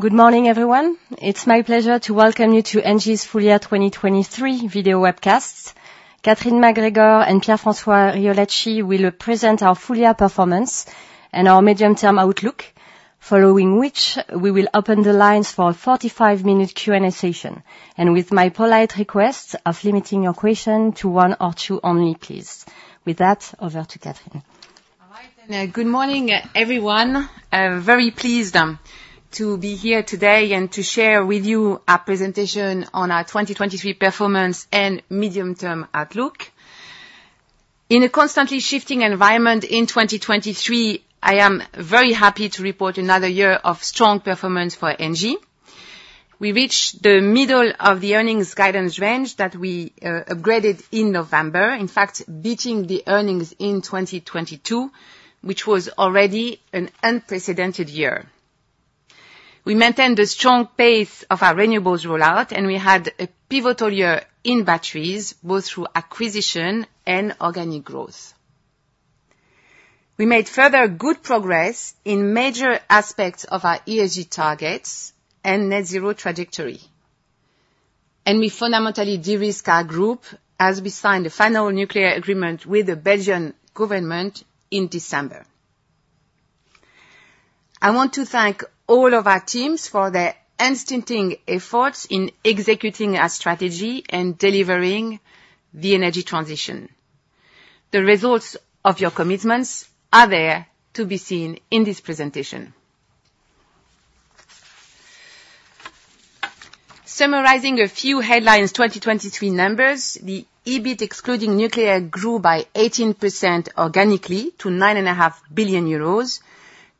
Good morning, everyone. It's my pleasure to welcome you to ENGIE's Full Year 2023 video webcast. Catherine MacGregor and Pierre-François Riolacci will present our Full Year performance and our medium-term outlook, following which we will open the lines for a 45-minute Q&A session, and with my polite request of limiting your questions to one or two only, please. With that, over to Catherine. All right, and good morning, everyone. Very pleased to be here today and to share with you our presentation on our 2023 performance and medium-term outlook. In a constantly shifting environment in 2023, I am very happy to report another year of strong performance for ENGIE. We reached the middle of the earnings guidance range that we upgraded in November, in fact, beating the earnings in 2022, which was already an unprecedented year. We maintained the strong pace of our renewables rollout, and we had a pivotal year in batteries, both through acquisition and organic growth. We made further good progress in major aspects of our ESG targets and net-zero trajectory, and we fundamentally de-risked our group as we signed the final nuclear agreement with the Belgian government in December. I want to thank all of our teams for their instinctive efforts in executing our strategy and delivering the energy transition. The results of your commitments are there to be seen in this presentation. Summarizing a few headlines' 2023 numbers, the EBIT excluding nuclear grew by 18% organically to 9.5 billion euros,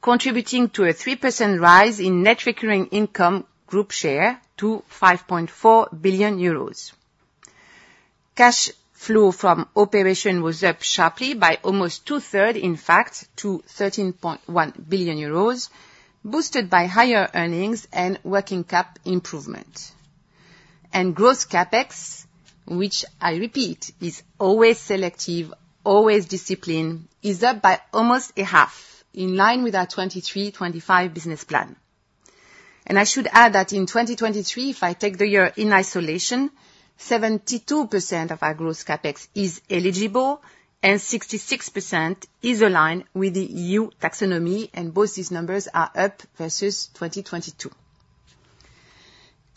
contributing to a 3% rise in net recurring income group share to 5.4 billion euros. Cash flow from operation was upped sharply by almost 2/3, in fact, to 13.1 billion euros, boosted by higher earnings and working cap improvement. And gross CapEx, which I repeat, is always selective, always disciplined, is up by almost half, in line with our 2023-2025 business plan. And I should add that in 2023, if I take the year in isolation, 72% of our gross CapEx is eligible, and 66% is aligned with the EU Taxonomy, and both these numbers are up versus 2022.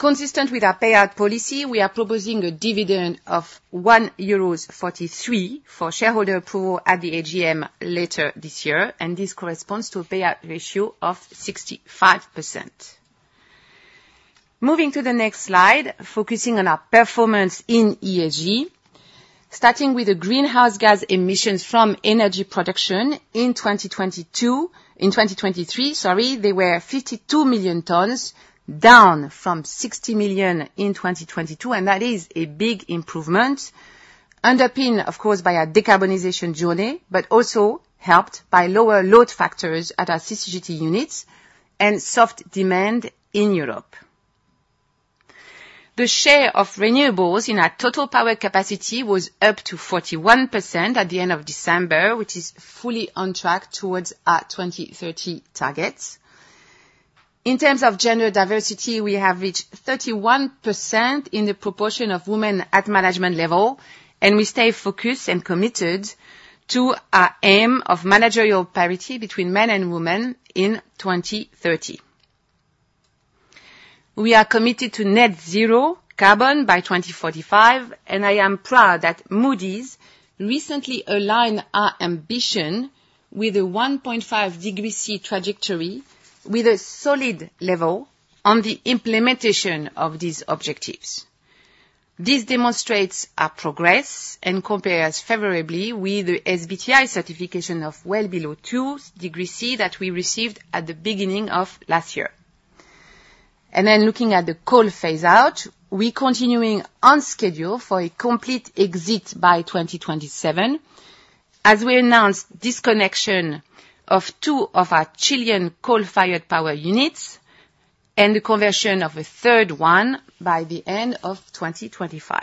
Consistent with our payout policy, we are proposing a dividend ofEUR 1.43 for shareholder approval at the AGM later this year, and this corresponds to a payout ratio of 65%. Moving to the next slide, focusing on our performance in ESG, starting with the greenhouse gas emissions from energy production in 2023, sorry, they were 52 million tons, down from 60 million in 2022, and that is a big improvement, underpinned, of course, by our decarbonization journey, but also helped by lower load factors at our CCGT units and soft demand in Europe. The share of renewables in our total power capacity was up to 41% at the end of December, which is fully on track towards our 2030 targets. In terms of gender diversity, we have reached 31% in the proportion of women at management level, and we stay focused and committed to our aim of managerial parity between men and women in 2030. We are committed to net-zero carbon by 2045, and I am proud that Moody's recently aligned our ambition with a 1.5-degree Celsius trajectory with a solid level on the implementation of these objectives. This demonstrates our progress and compares favorably with the SBTi certification of well below two degrees Celsius that we received at the beginning of last year. And then looking at the coal phase-out, we're continuing on schedule for a complete exit by 2027, as we announced disconnection of two of our Chilean coal-fired power units and the conversion of a third one by the end of 2025.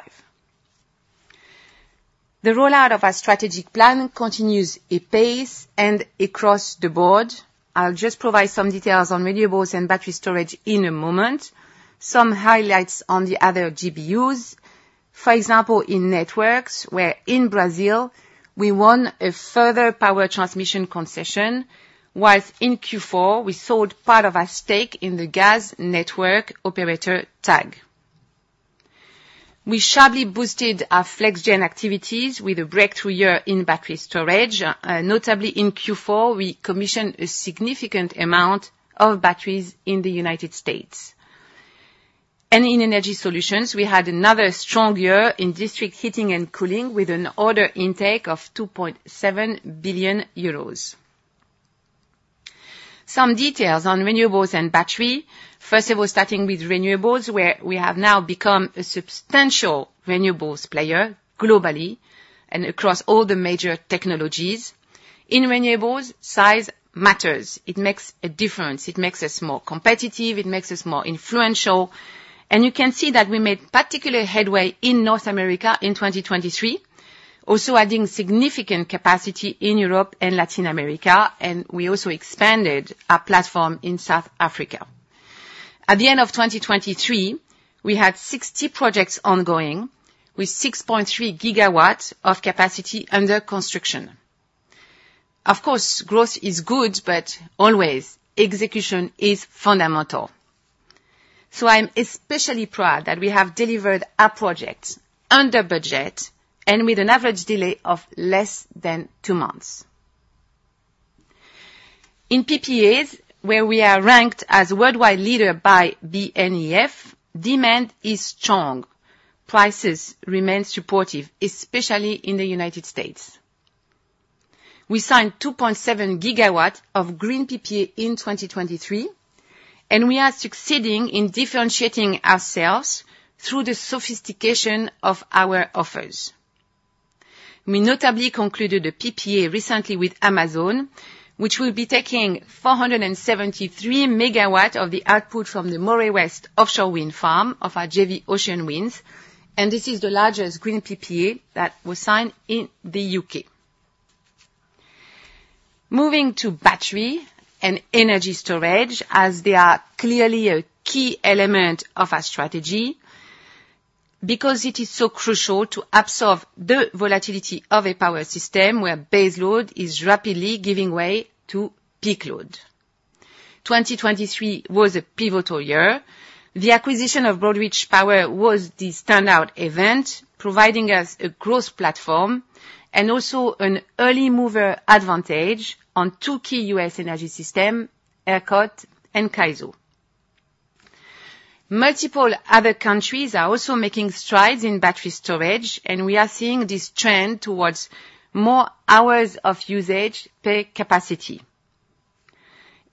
The rollout of our strategic plan continues at pace and across the board. I'll just provide some details on renewables and battery storage in a moment, some highlights on the other GBUs. For example, in networks, where in Brazil, we won a further power transmission concession, while in Q4, we sold part of our stake in the gas network operator TAG. We sharply boosted our flex-gen activities with a breakthrough year in battery storage. Notably, in Q4, we commissioned a significant amount of batteries in the United States. In energy solutions, we had another strong year in district heating and cooling with an order intake of 2.7 billion euros. Some details on renewables and battery. First of all, starting with renewables, where we have now become a substantial renewables player globally and across all the major technologies. In renewables, size matters. It makes a difference. It makes us more competitive. It makes us more influential. You can see that we made particular headway in North America in 2023, also adding significant capacity in Europe and Latin America, and we also expanded our platform in South Africa. At the end of 2023, we had 60 projects ongoing with 6.3 GW of capacity under construction. Of course, growth is good, but always, execution is fundamental. I'm especially proud that we have delivered our projects under budget and with an average delay of less than two months. In PPAs, where we are ranked as worldwide leader by BNEF, demand is strong. Prices remain supportive, especially in the United States. We signed 2.7 GW of green PPA in 2023, and we are succeeding in differentiating ourselves through the sophistication of our offers. We notably concluded the PPA recently with Amazon, which will be taking 473 MW of the output from the Moray West offshore wind farm of our JV Ocean Winds, and this is the largest green PPA that was signed in the U.K. Moving to battery and energy storage, as they are clearly a key element of our strategy, because it is so crucial to absorb the volatility of a power system where base load is rapidly giving way to peak load. 2023 was a pivotal year. The acquisition of Broad Reach Power was the standout event, providing us a growth platform and also an early-mover advantage on two key U.S. energy systems, ERCOT and CAISO. Multiple other countries are also making strides in battery storage, and we are seeing this trend towards more hours of usage per capacity.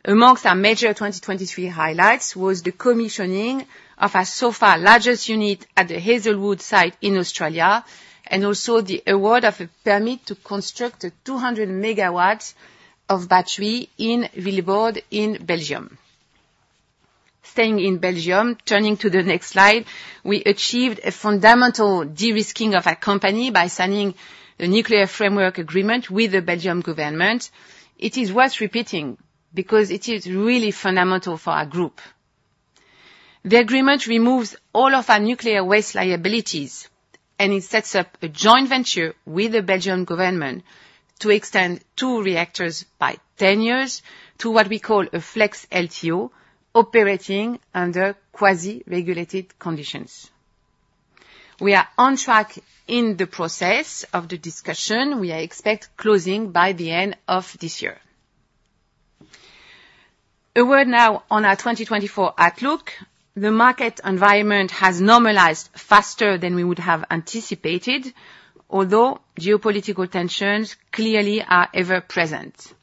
Among our major 2023 highlights was the commissioning of our so far largest unit at the Hazelwood site in Australia and also the award of a permit to construct 200 MW of battery in Vilvoorde in Belgium. Staying in Belgium, turning to the next slide, we achieved a fundamental de-risking of our company by signing a nuclear framework agreement with the Belgian government. It is worth repeating because it is really fundamental for our group. The agreement removes all of our nuclear waste liabilities, and it sets up a joint venture with the Belgian government to extend two reactors by 10 years to what we call a Flex LTO, operating under quasi-regulated conditions. We are on track in the process of the discussion. We expect closing by the end of this year. A word now on our 2024 outlook. The market environment has normalized faster than we would have anticipated, although geopolitical tensions clearly are ever-present.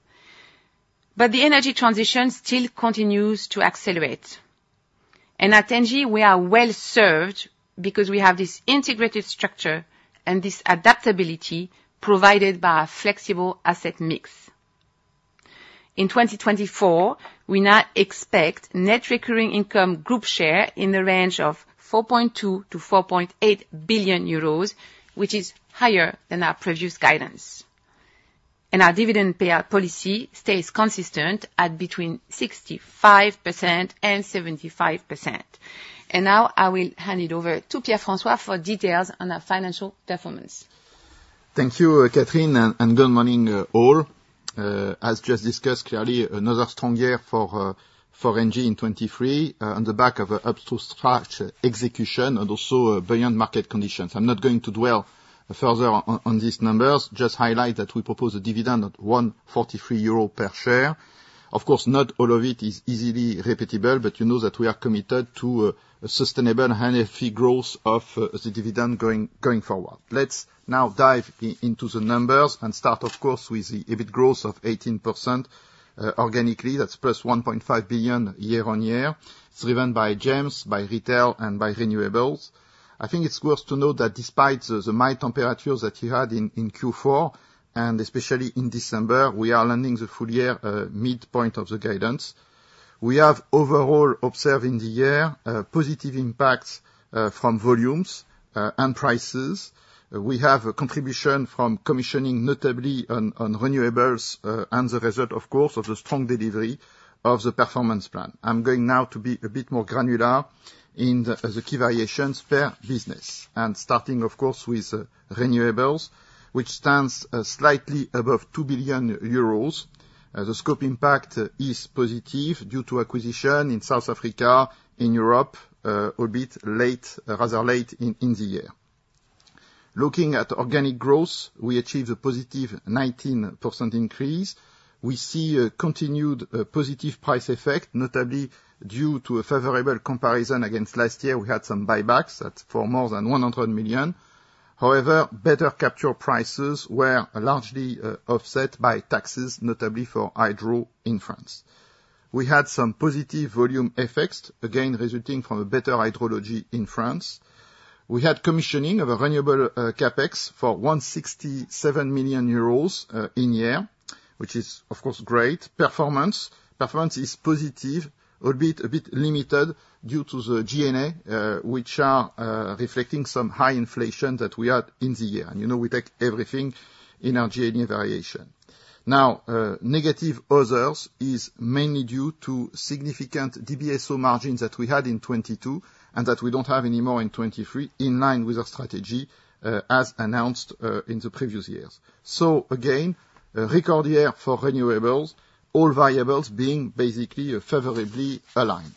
But the energy transition still continues to accelerate. At ENGIE, we are well-served because we have this integrated structure and this adaptability provided by a flexible asset mix. In 2024, we now expect net recurring income group share in the range of 4.2 billion-4.8 billion euros, which is higher than our previous guidance. Our dividend payout policy stays consistent at between 65% and 75%. Now I will hand it over to Pierre-François for details on our financial performance. Thank you, Catherine, and good morning, all. As just discussed, clearly, another strong year for ENGIE in 2023 on the back of up-to-schedule execution and also beyond market conditions. I'm not going to dwell further on these numbers. Just highlight that we propose a dividend of 143 euro per share. Of course, not all of it is easily repeatable, but you know that we are committed to a sustainable and healthy growth of the dividend going forward. Let's now dive into the numbers and start, of course, with the EBIT growth of 18% organically. That's +1.5 billion year-over-year. It's driven by GEMS, by retail, and by renewables. I think it's worth to note that despite the mild temperatures that you had in Q4 and especially in December, we are landing the full year midpoint of the guidance. We have overall observed in the year positive impacts from volumes and prices. We have a contribution from commissioning notably on renewables and the result, of course, of the strong delivery of the performance plan. I'm going now to be a bit more granular in the key variations per business and starting, of course, with renewables, which stands slightly above 2 billion euros. The scope impact is positive due to acquisition in South Africa, in Europe, a bit late rather late in the year. Looking at organic growth, we achieved a positive 19% increase. We see a continued positive price effect, notably due to a favorable comparison against last year. We had some buybacks at more than 100 million. However, better capture prices were largely offset by taxes, notably for hydro in France. We had some positive volume effects, again resulting from a better hydrology in France. We had commissioning of a renewable CapEx for 167 million euros in year, which is, of course, great. Performance is positive, albeit a bit limited due to the G&A, which are reflecting some high inflation that we had in the year. And you know we take everything in our G&A variation. Now, negative others are mainly due to significant DBSO margins that we had in 2022 and that we don't have anymore in 2023, in line with our strategy as announced in the previous years. So again, record year for renewables, all variables being basically favorably aligned.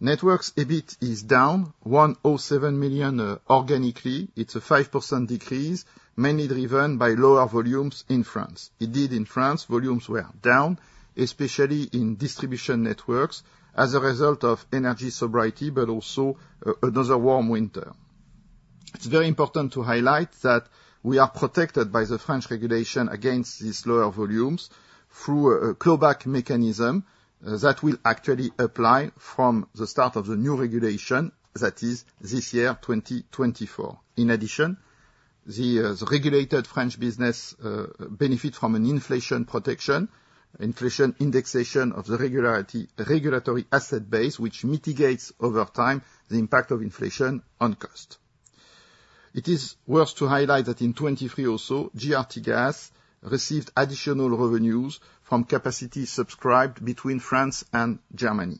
Networks EBIT is down, 107 million organically. It's a 5% decrease, mainly driven by lower volumes in France. It did in France, volumes were down, especially in distribution networks as a result of energy sobriety, but also another warm winter. It's very important to highlight that we are protected by the French regulation against these lower volumes through a clawback mechanism that will actually apply from the start of the new regulation, that is this year, 2024. In addition, the regulated French business benefits from an inflation protection, inflation indexation of the regulatory asset base, which mitigates over time the impact of inflation on cost. It is worth to highlight that in 2023 also, GRT Gaz received additional revenues from capacity subscribed between France and Germany.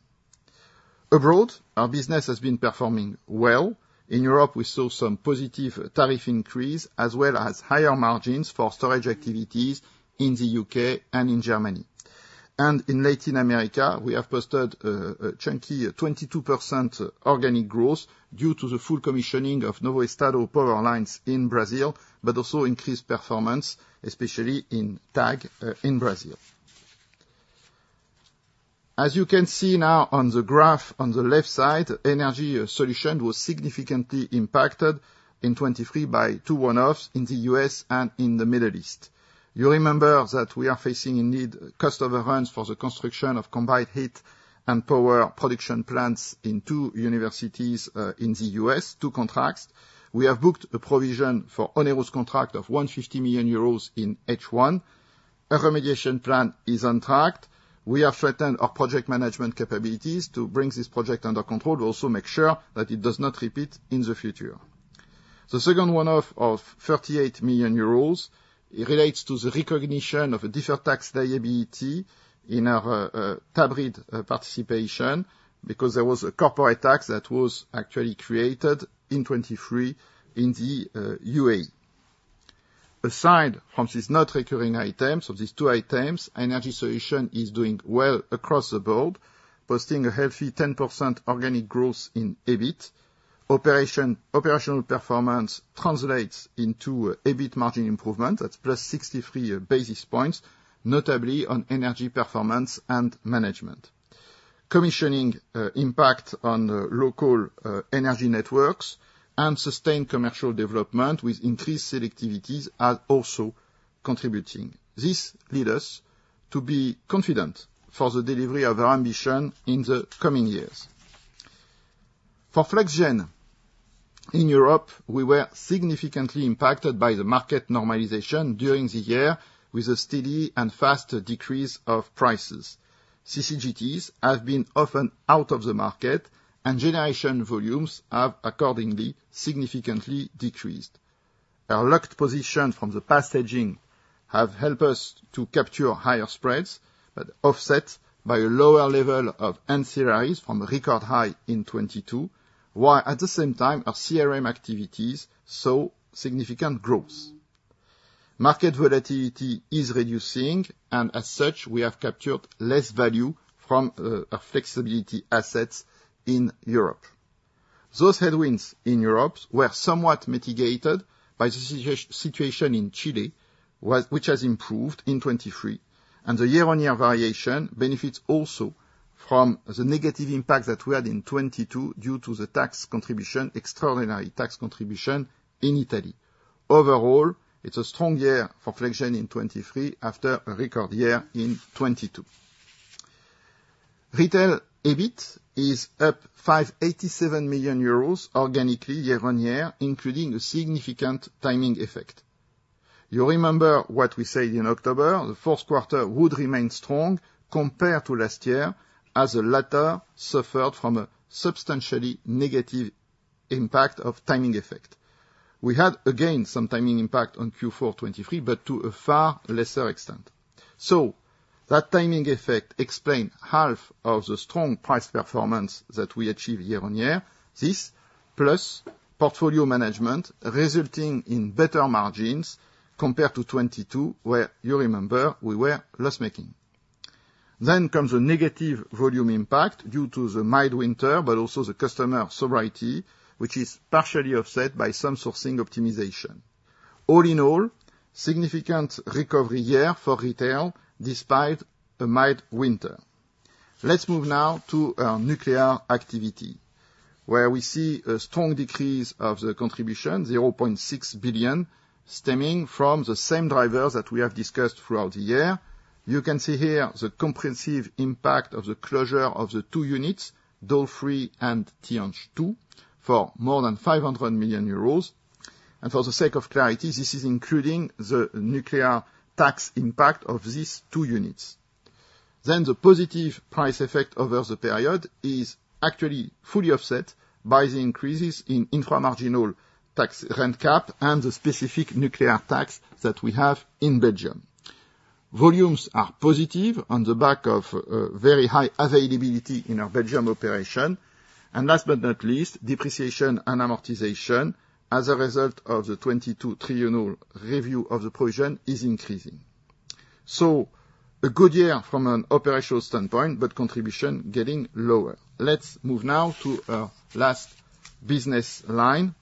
Abroad, our business has been performing well. In Europe, we saw some positive tariff increase, as well as higher margins for storage activities in the U.K. and in Germany. In Latin America, we have posted a chunky 22% organic growth due to the full commissioning of Novo Estado power lines in Brazil, but also increased performance, especially in TAG in Brazil. As you can see now on the graph on the left side, energy solution was significantly impacted in 2023 by two one-offs in the U.S. and in the Middle East. You remember that we are facing indeed cost overruns for the construction of combined heat and power production plants in two universities in the U.S., two contracts. We have booked a provision for onerous contract of 150 million euros in H1. A remediation plan is on track. We have threatened our project management capabilities to bring this project under control, but also make sure that it does not repeat in the future. The second one-off of 38 million euros relates to the recognition of a different tax liability in our hybrid participation because there was a corporate tax that was actually created in 2023 in the UAE. Aside from these non-recurring items, of these two items, Energy Solutions is doing well across the board, posting a healthy 10% organic growth in EBIT. Operational performance translates into EBIT margin improvement. That's plus 63 basis points, notably on energy performance and management. Commissioning impact on local energy networks and sustained commercial development with increased selectivities are also contributing. This leads us to be confident for the delivery of our ambition in the coming years. For flex-gen, in Europe, we were significantly impacted by the market normalization during the year with a steady and fast decrease of prices. CCGTs have been often out of the market, and generation volumes have accordingly significantly decreased. Our locked position from the hedging has helped us to capture higher spreads, but offset by a lower level of ancillaries from record high in 2022, while at the same time, our CRM activities saw significant growth. Market volatility is reducing, and as such, we have captured less value from our flexibility assets in Europe. Those headwinds in Europe were somewhat mitigated by the situation in Chile, which has improved in 2023. The year-on-year variation benefits also from the negative impact that we had in 2022 due to the tax contribution, extraordinary tax contribution in Italy. Overall, it's a strong year for flex-gen in 2023 after a record year in 2022. Retail EBIT is up 587 million euros organically year-on-year, including a significant timing effect. You remember what we said in October? The fourth quarter would remain strong compared to last year, as the latter suffered from a substantially negative impact of timing effect. We had again some timing impact on Q4 2023, but to a far lesser extent. So that timing effect explains half of the strong price performance that we achieved year-on-year, this plus portfolio management resulting in better margins compared to 2022, where you remember we were loss-making. Then comes a negative volume impact due to the mild winter, but also the customer sobriety, which is partially offset by some sourcing optimization. All in all, significant recovery year for retail despite a mild winter. Let's move now to our nuclear activity, where we see a strong decrease of the contribution, 0.6 billion, stemming from the same drivers that we have discussed throughout the year. You can see here the comprehensive impact of the closure of the two units, Doel 3 and Tihange 2, for more than 500 million euros. And for the sake of clarity, this is including the nuclear tax impact of these two units. Then the positive price effect over the period is actually fully offset by the increases in infra-marginal tax rent cap and the specific nuclear tax that we have in Belgium. Volumes are positive on the back of very high availability in our Belgium operation. And last but not least, depreciation and amortization as a result of the 2022 triennial review of the provision is increasing. So a good year from an operational standpoint, but contribution getting lower. Let's move now to our last business line.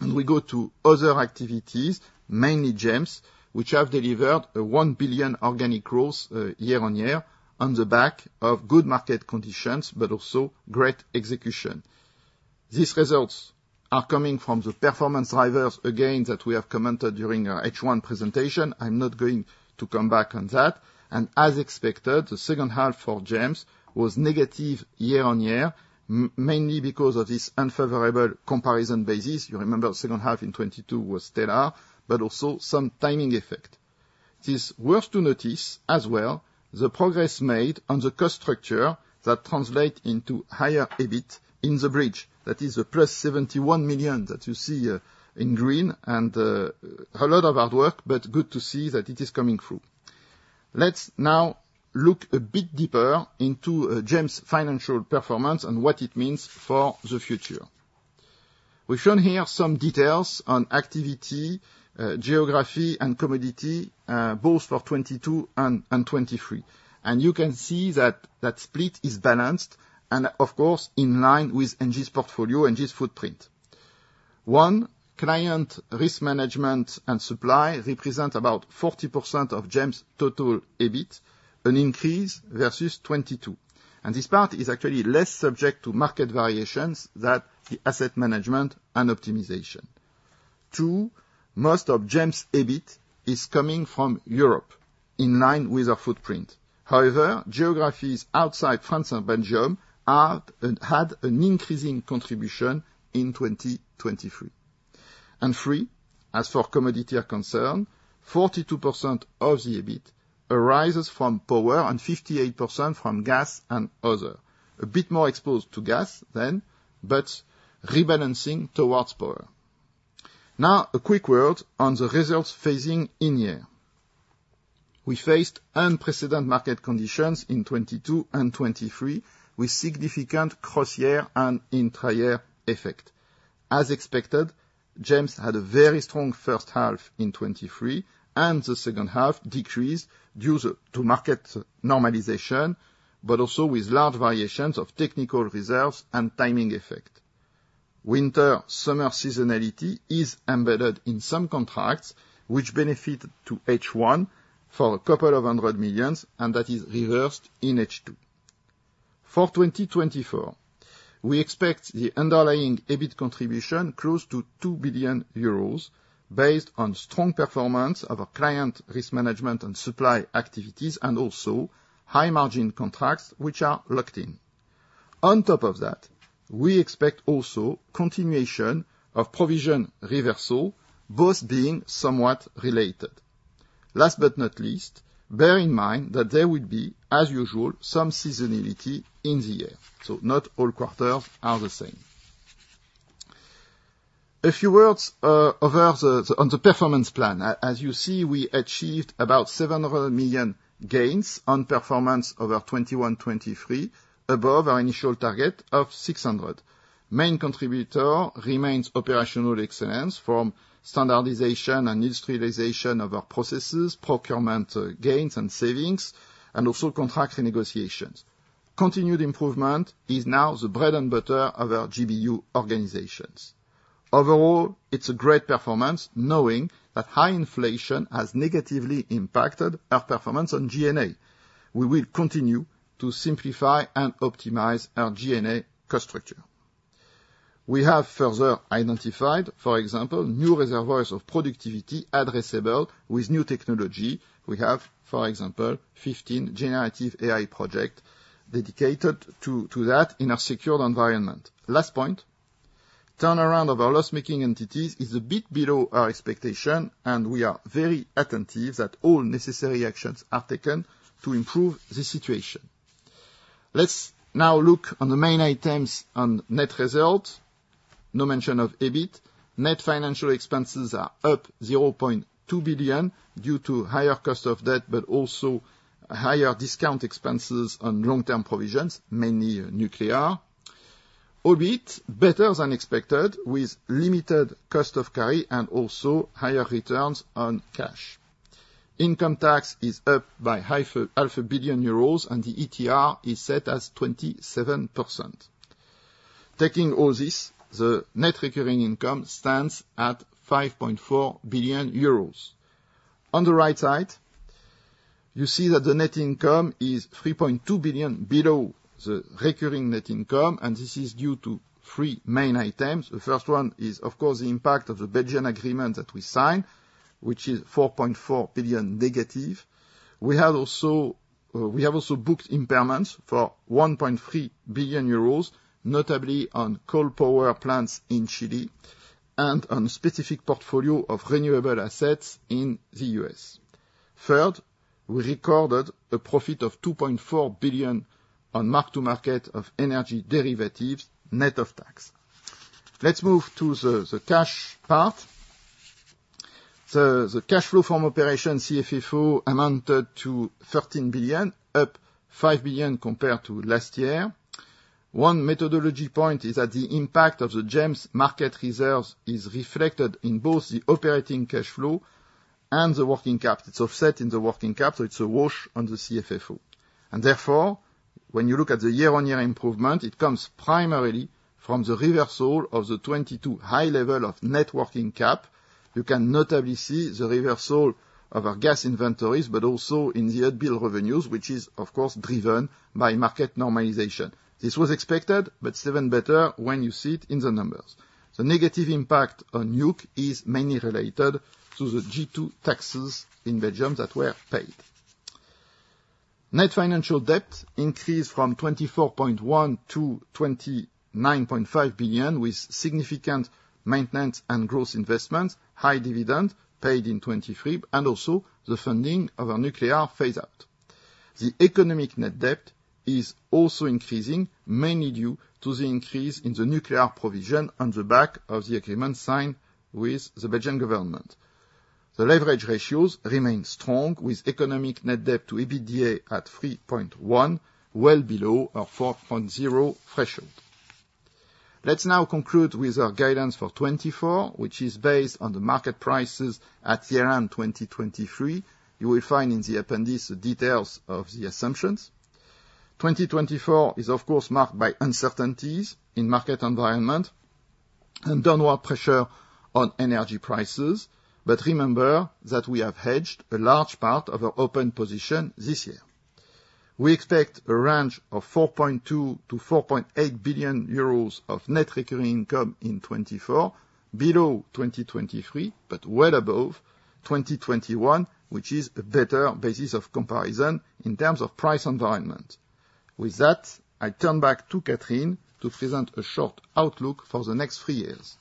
And we go to other activities, mainly GEMS, which have delivered a 1 billion organic growth year-over-year on the back of good market conditions, but also great execution. These results are coming from the performance drivers again that we have commented during our H1 presentation. I'm not going to come back on that. As expected, the second half for GEMS was negative year-on-year, mainly because of this unfavorable comparison basis. You remember the second half in 2022 was stellar, but also some timing effect. It is worth noticing as well the progress made on the cost structure that translates into higher EBIT in the bridge. That is the +71 million that you see in green and a lot of hard work, but good to see that it is coming through. Let's now look a bit deeper into GEMS' financial performance and what it means for the future. We've shown here some details on activity, geography, and commodity, both for 2022 and 2023. You can see that that split is balanced and, of course, in line with ENGIE's portfolio, ENGIE's footprint. On client risk management and supply represent about 40% of GEMS' total EBIT, an increase versus 2022. This part is actually less subject to market variations than the asset management and optimization. Two, most of GEMS' EBIT is coming from Europe, in line with our footprint. However, geographies outside France and Belgium had an increasing contribution in 2023. And three, as for commodity are concerned, 42% of the EBIT arises from power and 58% from gas and other, a bit more exposed to gas than, but rebalancing towards power. Now, a quick word on the results for the year. We faced unprecedented market conditions in 2022 and 2023 with significant cross-year and intra-year effect. As expected, GEMS had a very strong first half in 2023, and the second half decreased due to market normalization, but also with large variations of technical reserves and timing effect. Winter-summer seasonality is embedded in some contracts, which benefit to H1 for a couple of hundred million, and that is reversed in H2. For 2024, we expect the underlying EBIT contribution close to 2 billion euros based on strong performance of our client risk management and supply activities, and also high-margin contracts which are locked in. On top of that, we expect also continuation of provision reversal, both being somewhat related. Last but not least, bear in mind that there will be, as usual, some seasonality in the year. So not all quarters are the same. A few words on the performance plan. As you see, we achieved about 700 million gains on performance over 2021-2023, above our initial target of 600 million. Main contributor remains operational excellence from standardization and industrialization of our processes, procurement gains and savings, and also contract renegotiations. Continued improvement is now the bread and butter of our GBU organizations. Overall, it's a great performance, knowing that high inflation has negatively impacted our performance on G&A. We will continue to simplify and optimize our G&A cost structure. We have further identified, for example, new reservoirs of productivity addressable with new technology. We have, for example, 15 generative AI projects dedicated to that in our secured environment. Last point, the turnaround of our loss-making entities is a bit below our expectation, and we are very attentive that all necessary actions are taken to improve the situation. Let's now look on the main items on net result. No mention of EBIT. Net financial expenses are up 0.2 billion due to higher cost of debt, but also higher discount expenses on long-term provisions, mainly nuclear. EBIT is better than expected, with limited cost of carry and also higher returns on cash. Income tax is up by 1.5 billion euros, and the ETR is set as 27%. Taking all this, the net recurring income stands at 5.4 billion euros. On the right side, you see that the net income is 3.2 billion below the recurring net income, and this is due to three main items. The first one is, of course, the impact of the Belgian agreement that we signed, which is 4.4 billion negative. We have also booked impairments for 1.3 billion euros, notably on coal power plants in Chile and on a specific portfolio of renewable assets in the U.S. Third, we recorded a profit of 2.4 billion on mark-to-market of energy derivatives, net of tax. Let's move to the cash part. The cash flow from operation CFFO amounted to 13 billion, up 5 billion compared to last year. One methodology point is that the impact of the GEMS' market reserves is reflected in both the operating cash flow and the working cap. It's offset in the working cap, so it's a wash on the CFFO. Therefore, when you look at the year-on-year improvement, it comes primarily from the reversal of the 2022 high level of net working cap. You can notably see the reversal of our gas inventories, but also in the unbilled revenues, which is, of course, driven by market normalization. This was expected, but even better when you see it in the numbers. The negative impact on NUC is mainly related to the G2 taxes in Belgium that were paid. Net financial debt increased from 24.1 billion-29.5 billion, with significant maintenance and gross investments, high dividends paid in 2023, and also the funding of our nuclear phase-out. The economic net debt is also increasing, mainly due to the increase in the nuclear provision on the back of the agreement signed with the Belgian government. The leverage ratios remain strong, with economic net debt to EBITDA at 3.1, well below our 4.0 threshold. Let's now conclude with our guidance for 2024, which is based on the market prices at year-end 2023. You will find in the appendix the details of the assumptions. 2024 is, of course, marked by uncertainties in the market environment and downward pressure on energy prices, but remember that we have hedged a large part of our open position this year. We expect a range of 4.2 billion-4.8 billion euros of net recurring income in 2024, below 2023, but well above 2021, which is a better basis of comparison in terms of price environment. With that, I turn back to Catherine to present a short outlook for the next three years.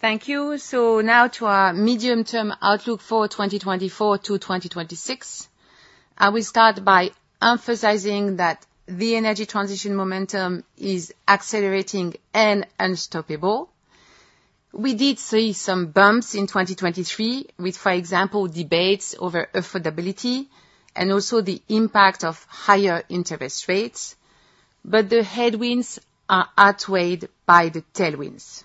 Thank you. So now to our medium-term outlook for 2024 to 2026. I will start by emphasizing that the energy transition momentum is accelerating and unstoppable. We did see some bumps in 2023, with, for example, debates over affordability and also the impact of higher interest rates. But the headwinds are outweighed by the tailwinds.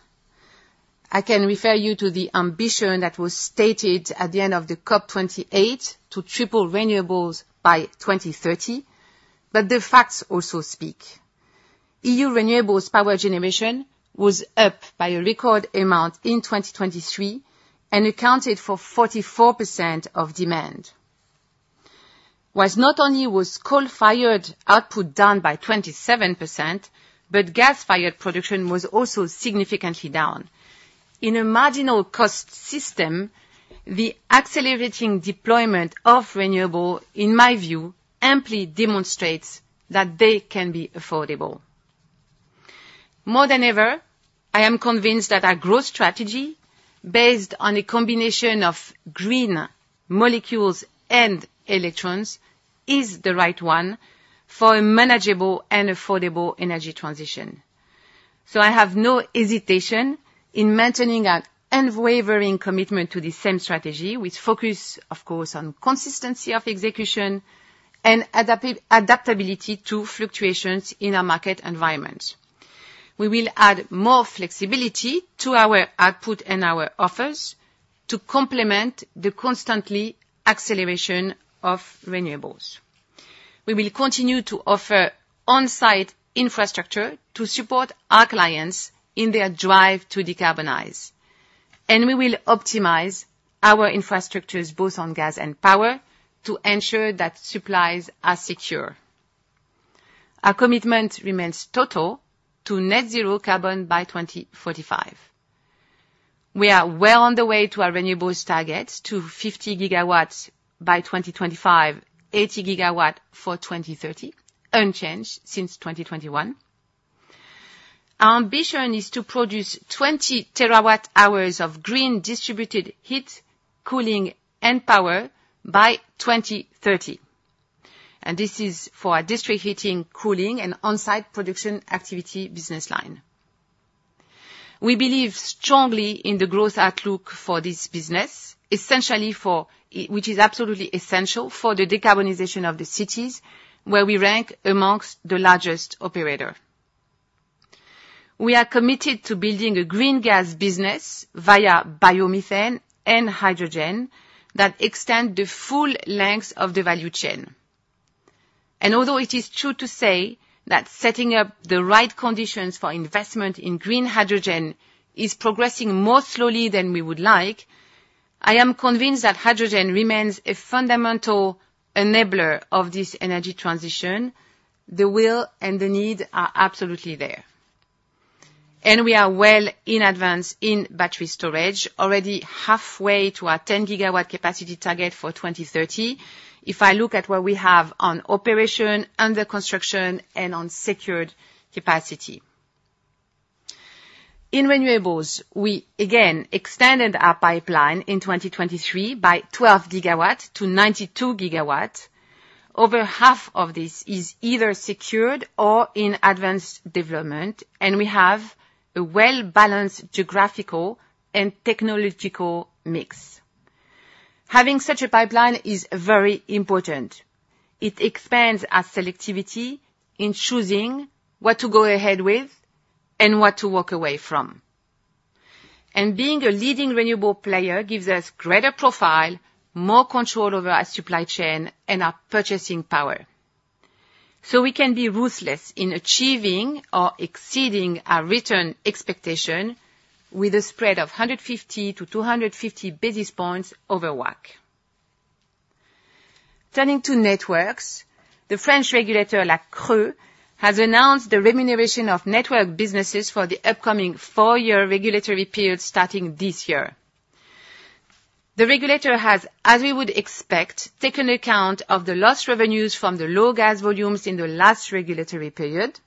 I can refer you to the ambition that was stated at the end of the COP28 to triple renewables by 2030, but the facts also speak. EU renewables power generation was up by a record amount in 2023 and accounted for 44% of demand. While not only was coal-fired output down by 27%, but gas-fired production was also significantly down. In a marginal cost system, the accelerating deployment of renewable, in my view, amply demonstrates that they can be affordable. More than ever, I am convinced that our growth strategy, based on a combination of green molecules and electrons, is the right one for a manageable and affordable energy transition. So I have no hesitation in maintaining an unwavering commitment to the same strategy, with focus, of course, on consistency of execution and adaptability to fluctuations in our market environment. We will add more flexibility to our output and our offers to complement the constant acceleration of renewables. We will continue to offer on-site infrastructure to support our clients in their drive to decarbonize. And we will optimize our infrastructures, both on gas and power, to ensure that supplies are secure. Our commitment remains total to net-zero carbon by 2045. We are well on the way to our renewables targets to 50 GW by 2025, 80 GW for 2030, unchanged since 2021. Our ambition is to produce 20 TWh of green distributed heat, cooling, and power by 2030. This is for our district heating, cooling, and on-site production activity business line. We believe strongly in the growth outlook for this business, which is absolutely essential for the decarbonization of the cities, where we rank among the largest operators. We are committed to building a green gas business via biomethane and hydrogen that extends the full length of the value chain. And although it is true to say that setting up the right conditions for investment in green hydrogen is progressing more slowly than we would like, I am convinced that hydrogen remains a fundamental enabler of this energy transition. The will and the need are absolutely there. We are well in advance in battery storage, already halfway to our 10 GW capacity target for 2030, if I look at what we have on operation, under construction, and on secured capacity. In renewables, we, again, extended our pipeline in 2023 by 12 GW to 92 GW. Over half of this is either secured or in advanced development, and we have a well-balanced geographical and technological mix. Having such a pipeline is very important. It expands our selectivity in choosing what to go ahead with and what to walk away from. Being a leading renewable player gives us greater profile, more control over our supply chain, and our purchasing power. We can be ruthless in achieving or exceeding our return expectation with a spread of 150-250 basis points over WACC. Turning to networks, the French regulator, La CRE, has announced the remuneration of network businesses for the upcoming four-year regulatory period starting this year. The regulator has, as we would expect, taken account of the lost revenues from the low gas volumes in the last regulatory period.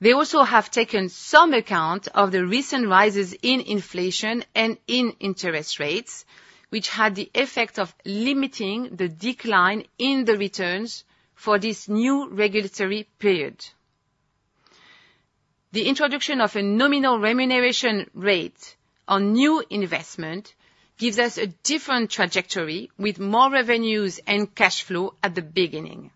They also have taken some account of the recent rises in inflation and in interest rates, which had the effect of limiting the decline in the returns for this new regulatory period. The introduction of a nominal remuneration rate on new investment gives us a different trajectory, with more revenues and cash flow at the beginning.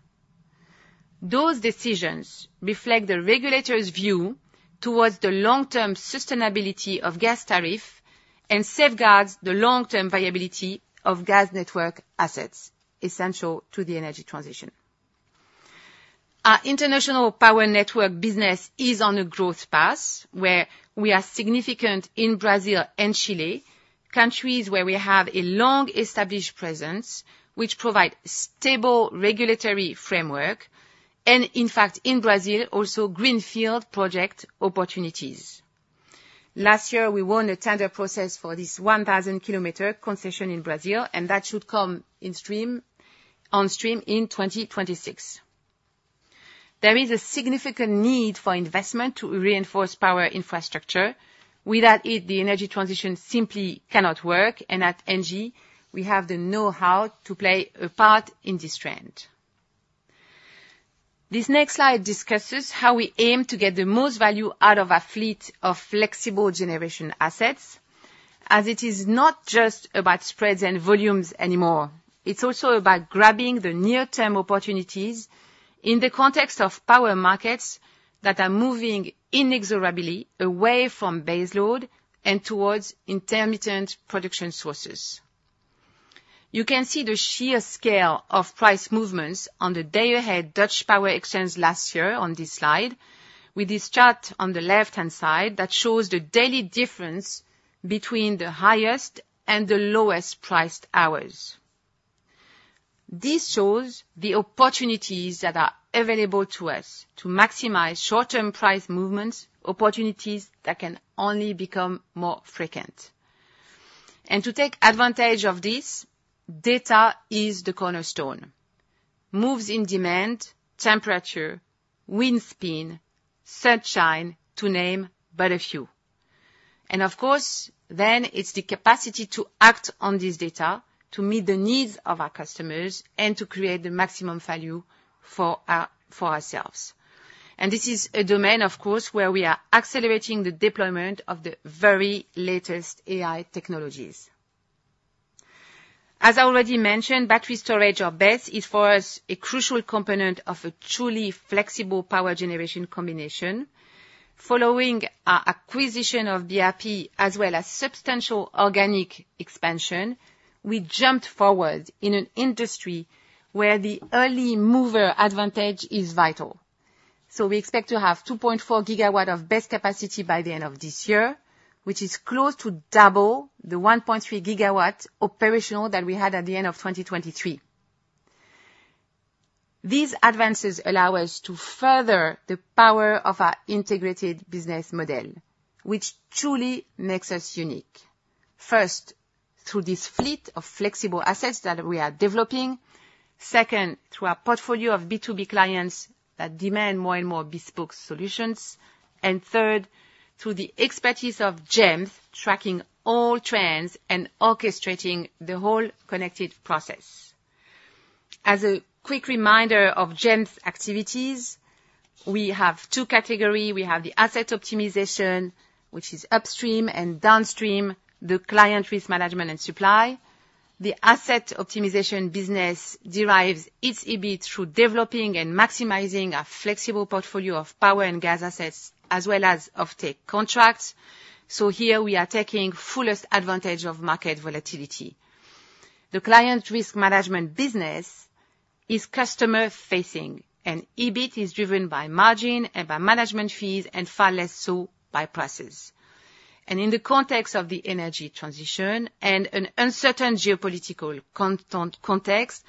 Those decisions reflect the regulator's view towards the long-term sustainability of gas tariffs and safeguard the long-term viability of gas network assets, essential to the energy transition. Our international power network business is on a growth path, where we are significant in Brazil and Chile, countries where we have a long-established presence, which provide stable regulatory framework and, in fact, in Brazil, also greenfield project opportunities. Last year, we won a tender process for this 1,000-km concession in Brazil, and that should come on stream in 2026. There is a significant need for investment to reinforce power infrastructure. Without it, the energy transition simply cannot work, and at ENGIE, we have the know-how to play a part in this trend. This next slide discusses how we aim to get the most value out of our fleet of flexible generation assets, as it is not just about spreads and volumes anymore. It's also about grabbing the near-term opportunities in the context of power markets that are moving inexorably away from baseload and towards intermittent production sources. You can see the sheer scale of price movements on the day-ahead Dutch Power Exchange last year on this slide, with this chart on the left-hand side that shows the daily difference between the highest and the lowest priced hours. This shows the opportunities that are available to us to maximize short-term price movements, opportunities that can only become more frequent. And to take advantage of this, data is the cornerstone: moves in demand, temperature, wind speed, sunshine, to name but a few. And, of course, then it's the capacity to act on this data to meet the needs of our customers and to create the maximum value for ourselves. And this is a domain, of course, where we are accelerating the deployment of the very latest AI technologies. As I already mentioned, battery storage, BESS, is for us a crucial component of a truly flexible power generation combination. Following our acquisition of BRP as well as substantial organic expansion, we jumped forward in an industry where the early mover advantage is vital. So we expect to have 2.4 GW of BESS capacity by the end of this year, which is close to double the 1.3 GW operational that we had at the end of 2023. These advances allow us to further the power of our integrated business model, which truly makes us unique. First, through this fleet of flexible assets that we are developing. Second, through our portfolio of B2B clients that demand more and more bespoke solutions. And third, through the expertise of GEMS, tracking all trends and orchestrating the whole connected process. As a quick reminder of GEMS activities, we have two categories. We have the asset optimization, which is upstream and downstream, the client risk management and supply. The asset optimization business derives its EBIT through developing and maximizing our flexible portfolio of power and gas assets, as well as offtake contracts. So here, we are taking fullest advantage of market volatility. The client risk management business is customer-facing, and EBIT is driven by margin and by management fees, and far less so by prices. And in the context of the energy transition and an uncertain geopolitical context,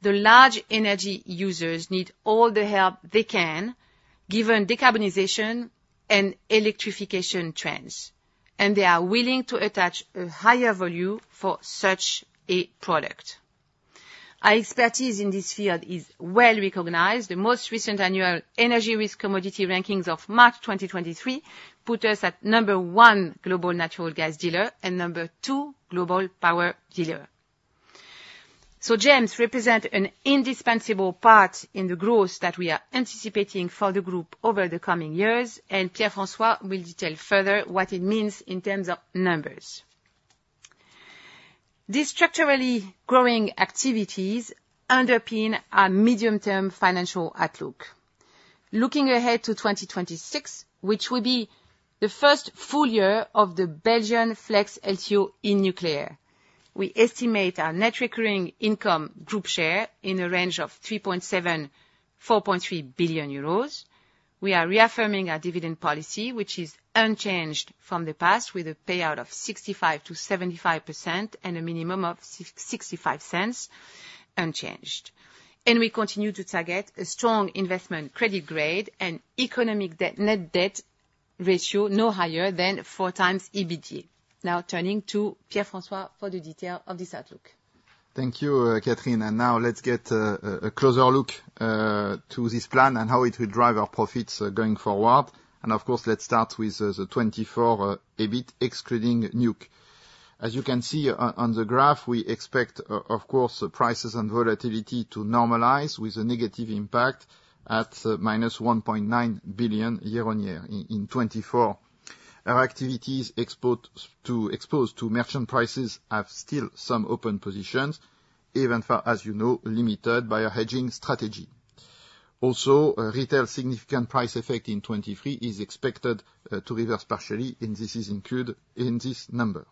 the large energy users need all the help they can given decarbonization and electrification trends. And they are willing to attach a higher value for such a product. Our expertise in this field is well recognized. The most recent annual energy risk commodity rankings of March 2023 put us at number one global natural gas dealer and number two global power dealer. So GEMS represents an indispensable part in the growth that we are anticipating for the group over the coming years, and Pierre-François will detail further what it means in terms of numbers. These structurally growing activities underpin our medium-term financial outlook. Looking ahead to 2026, which will be the first full year of the Belgian Flex LTO in nuclear, we estimate our net recurring income group share in a range of 3.7 billion-4.3 billion euros. We are reaffirming our dividend policy, which is unchanged from the past, with a payout of 65%-75% and a minimum of 0.65 unchanged. We continue to target a strong investment credit grade and economic net debt ratio no higher than 4x EBITDA. Now, turning to Pierre-François for the detail of this outlook. Thank you, Catherine.And now, let's get a closer look to this plan and how it will drive our profits going forward. And, of course, let's start with the 2024 EBIT excluding NUC. As you can see on the graph, we expect, of course, prices and volatility to normalize with a negative impact of -1.9 billion year-on-year in 2024. Our activities exposed to merchant prices have still some open positions, even though, as you know, limited by our hedging strategy. Also, retail significant price effect in 2023 is expected to reverse partially, and this is included in this number.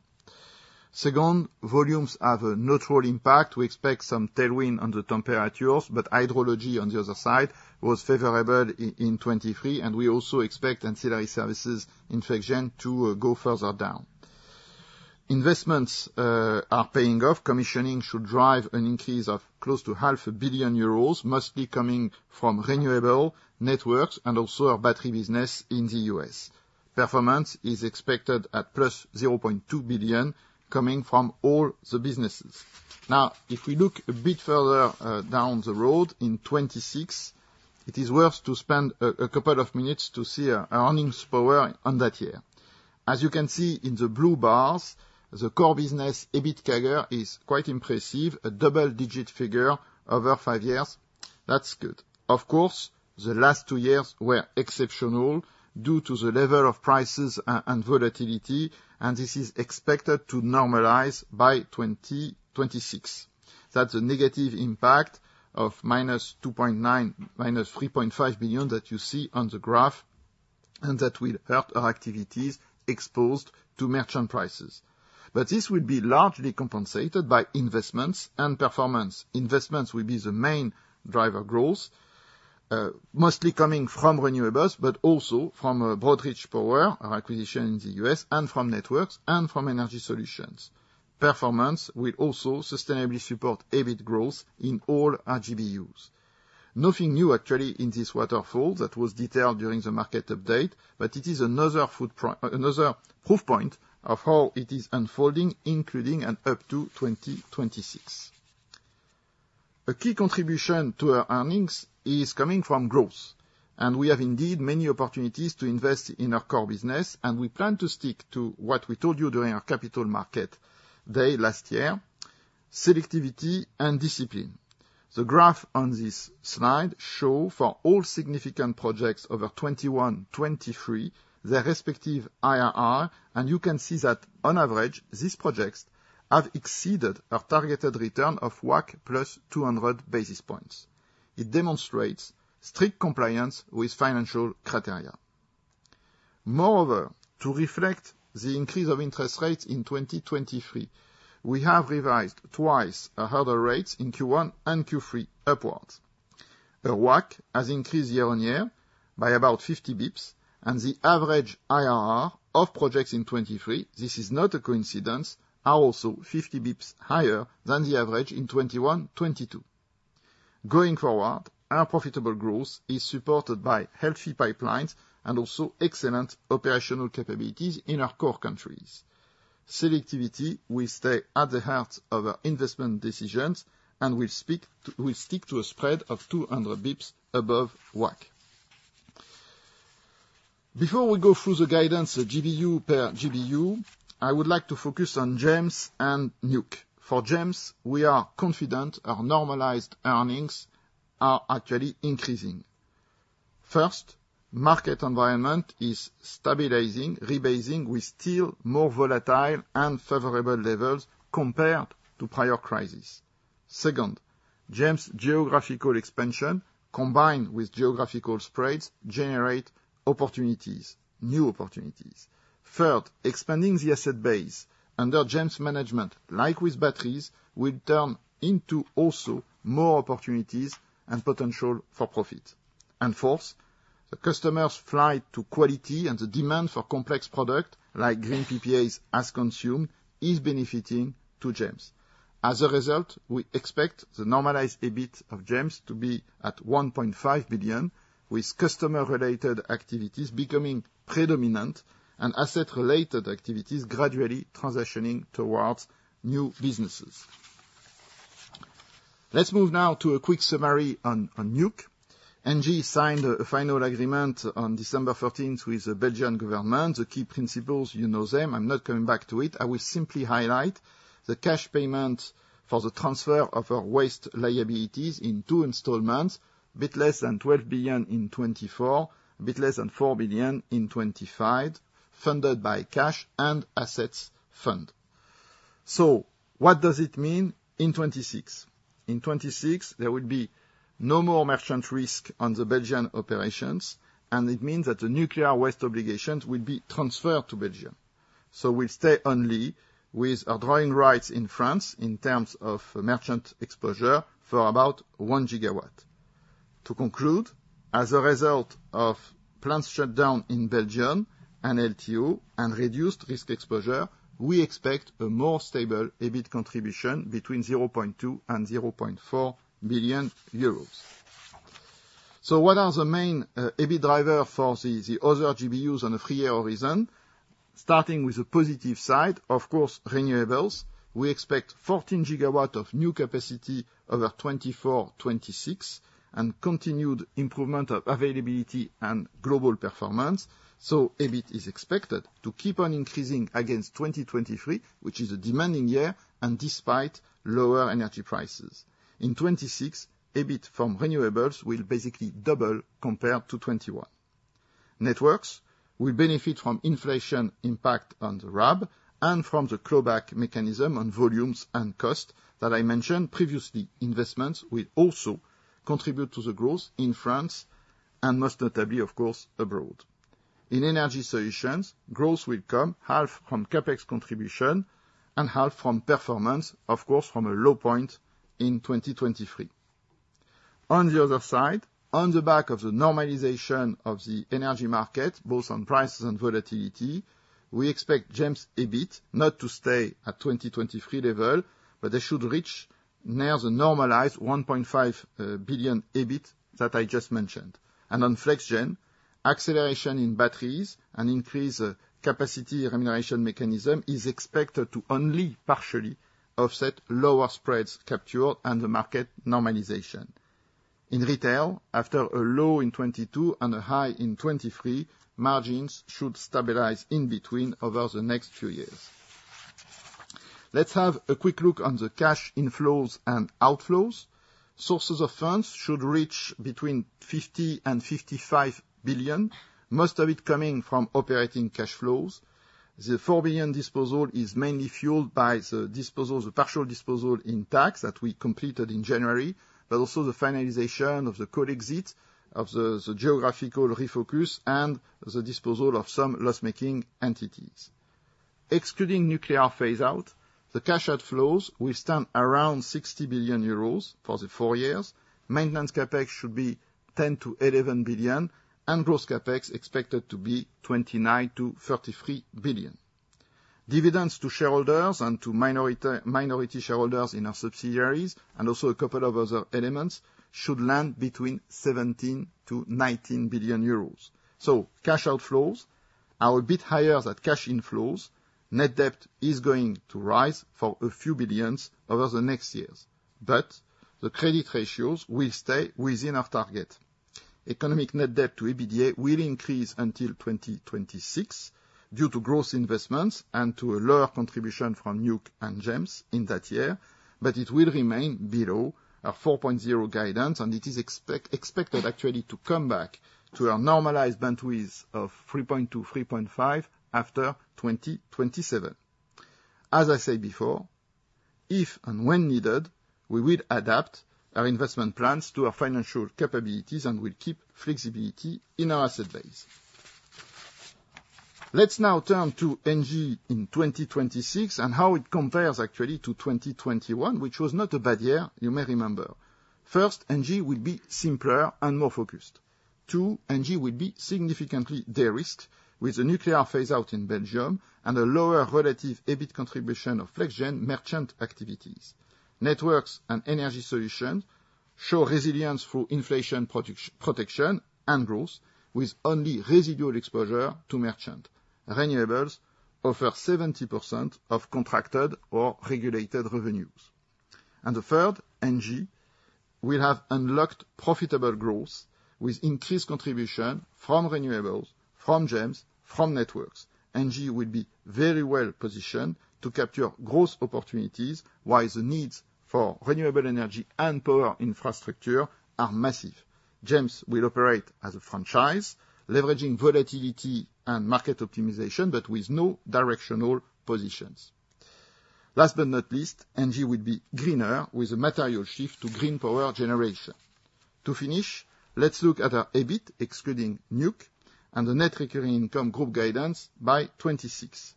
Second, volumes have a neutral impact. We expect some tailwind on the temperatures, but hydrology, on the other side, was favorable in 2023, and we also expect ancillary services contribution to go further down. Investments are paying off. Commissioning should drive an increase of close to 500 million euros, mostly coming from renewable networks and also our battery business in the US. Performance is expected at +0.2 billion, coming from all the businesses. Now, if we look a bit further down the road in 2026, it is worth spending a couple of minutes to see earnings power on that year. As you can see in the blue bars, the core business EBIT CAGR is quite impressive, a double-digit figure over five years. That's good. Of course, the last two years were exceptional due to the level of prices and volatility, and this is expected to normalize by 2026. That's the negative impact of -3.5 billion that you see on the graph, and that will hurt our activities exposed to merchant prices. But this will be largely compensated by investments and performance. Investments will be the main driver of growth, mostly coming from renewables, but also from Broad Reach Power, our acquisition in the U.S., and from networks and from energy solutions. Performance will also sustainably support EBIT growth in all our GBUs. Nothing new, actually, in this waterfall that was detailed during the market update, but it is another proof point of how it is unfolding, including and up to 2026. A key contribution to our earnings is coming from growth. We have, indeed, many opportunities to invest in our core business, and we plan to stick to what we told you during our capital market day last year: selectivity and discipline. The graph on this slide shows for all significant projects over 2021, 2023, their respective IRR, and you can see that, on average, these projects have exceeded our targeted return of WACC plus 200 basis points. It demonstrates strict compliance with financial criteria. Moreover, to reflect the increase of interest rates in 2023, we have revised twice our hurdle rates in Q1 and Q3 upwards. Our WACC has increased year-on-year by about 50 basis points, and the average IRR of projects in 2023—this is not a coincidence—are also 50 basis points higher than the average in 2021, 2022. Going forward, our profitable growth is supported by healthy pipelines and also excellent operational capabilities in our core countries. Selectivity will stay at the heart of our investment decisions and will stick to a spread of 200 basis points above WACC. Before we go through the guidance GBU per GBU, I would like to focus on GEMS and NUC. For GEMS, we are confident our normalized earnings are actually increasing. First, the market environment is stabilizing, rebasing with still more volatile and favorable levels compared to prior crises. Second, GEMS' geographical expansion, combined with geographical spreads, generates new opportunities. Third, expanding the asset base under GEMS management, like with batteries, will turn into also more opportunities and potential for profit. And fourth, the customer's flight to quality and the demand for complex products, like green PPAs as consumed, is benefiting to GEMS. As a result, we expect the normalized EBIT of GEMS to be at 1.5 billion, with customer-related activities becoming predominant and asset-related activities gradually transitioning towards new businesses. Let's move now to a quick summary on NUC. ENGIE signed a final agreement on December 13th with the Belgian government. The key principles, you know them. I'm not coming back to it. I will simply highlight the cash payment for the transfer of our waste liabilities in two installments: a bit less than 12 billion in 2024, a bit less than 4 billion in 2025, funded by cash and assets fund. So what does it mean in 2026? In 2026, there will be no more merchant risk on the Belgian operations, and it means that the nuclear waste obligations will be transferred to Belgium. So we'll stay only with our drawing rights in France in terms of merchant exposure for about 1 GW. To conclude, as a result of plant shutdown in Belgium and LTO and reduced risk exposure, we expect a more stable EBIT contribution between 0.2 billion and 0.4 billion euros. So what are the main EBIT drivers for the other GBUs on a three-year horizon? Starting with the positive side, of course, renewables. We expect 14 GW of new capacity over 2024, 2026, and continued improvement of availability and global performance. So EBIT is expected to keep on increasing against 2023, which is a demanding year and despite lower energy prices. In 2026, EBIT from renewables will basically double compared to 2021. Networks will benefit from inflation impact on the RAB and from the clawback mechanism on volumes and costs that I mentioned previously. Investments will also contribute to the growth in France and most notably, of course, abroad. In energy solutions, growth will come half from CapEx contribution and half from performance, of course, from a low point in 2023. On the other side, on the back of the normalization of the energy market, both on prices and volatility, we expect GEMS' EBIT not to stay at 2023 level, but they should reach near the normalized 1.5 billion EBIT that I just mentioned. On flex-gen, acceleration in batteries and increased capacity remuneration mechanism is expected to only partially offset lower spreads captured and the market normalization. In retail, after a low in 2022 and a high in 2023, margins should stabilize in between over the next few years. Let's have a quick look on the cash inflows and outflows. Sources of funds should reach between 50 billion and 55 billion, most of it coming from operating cash flows. The 4 billion disposal is mainly fueled by the partial disposal in TAG that we completed in January, but also the finalization of the code exit of the geographical refocus and the disposal of some loss-making entities. Excluding nuclear phase-out, the cash outflows will stand around 60 billion euros for the four years. Maintenance CapEx should be 10 billion-11 billion, and gross CapEx expected to be 29 billion-33 billion. Dividends to shareholders and to minority shareholders in our subsidiaries, and also a couple of other elements, should land between 17 billion-19 billion euros. So cash outflows are a bit higher than cash inflows. Net debt is going to rise for a few billions over the next years, but the credit ratios will stay within our target. Economic net debt to EBITDA will increase until 2026 due to gross investments and to a lower contribution from NUC and GEMS in that year, but it will remain below our 4.0 guidance, and it is expected actually to come back to our normalized bandwidth of 3.2-3.5 after 2027. As I said before, if and when needed, we will adapt our investment plans to our financial capabilities and will keep flexibility in our asset base. Let's now turn to ENGIE in 2026 and how it compares actually to 2021, which was not a bad year, you may remember. First, ENGIE will be simpler and more focused. Two, ENGIE will be significantly de-risked with the nuclear phase-out in Belgium and a lower relative EBIT contribution of flex-gen merchant activities. Networks and energy solutions show resilience through inflation protection and growth, with only residual exposure to merchant. Renewables offer 70% of contracted or regulated revenues. Third, ENGIE will have unlocked profitable growth with increased contribution from renewables, from GEMS, from networks. ENGIE will be very well positioned to capture gross opportunities while the needs for renewable energy and power infrastructure are massive. GEMS will operate as a franchise, leveraging volatility and market optimization, but with no directional positions. Last but not least, ENGIE will be greener with a material shift to green power generation. To finish, let's look at our EBIT excluding NUC and the net recurring income group guidance by 2026.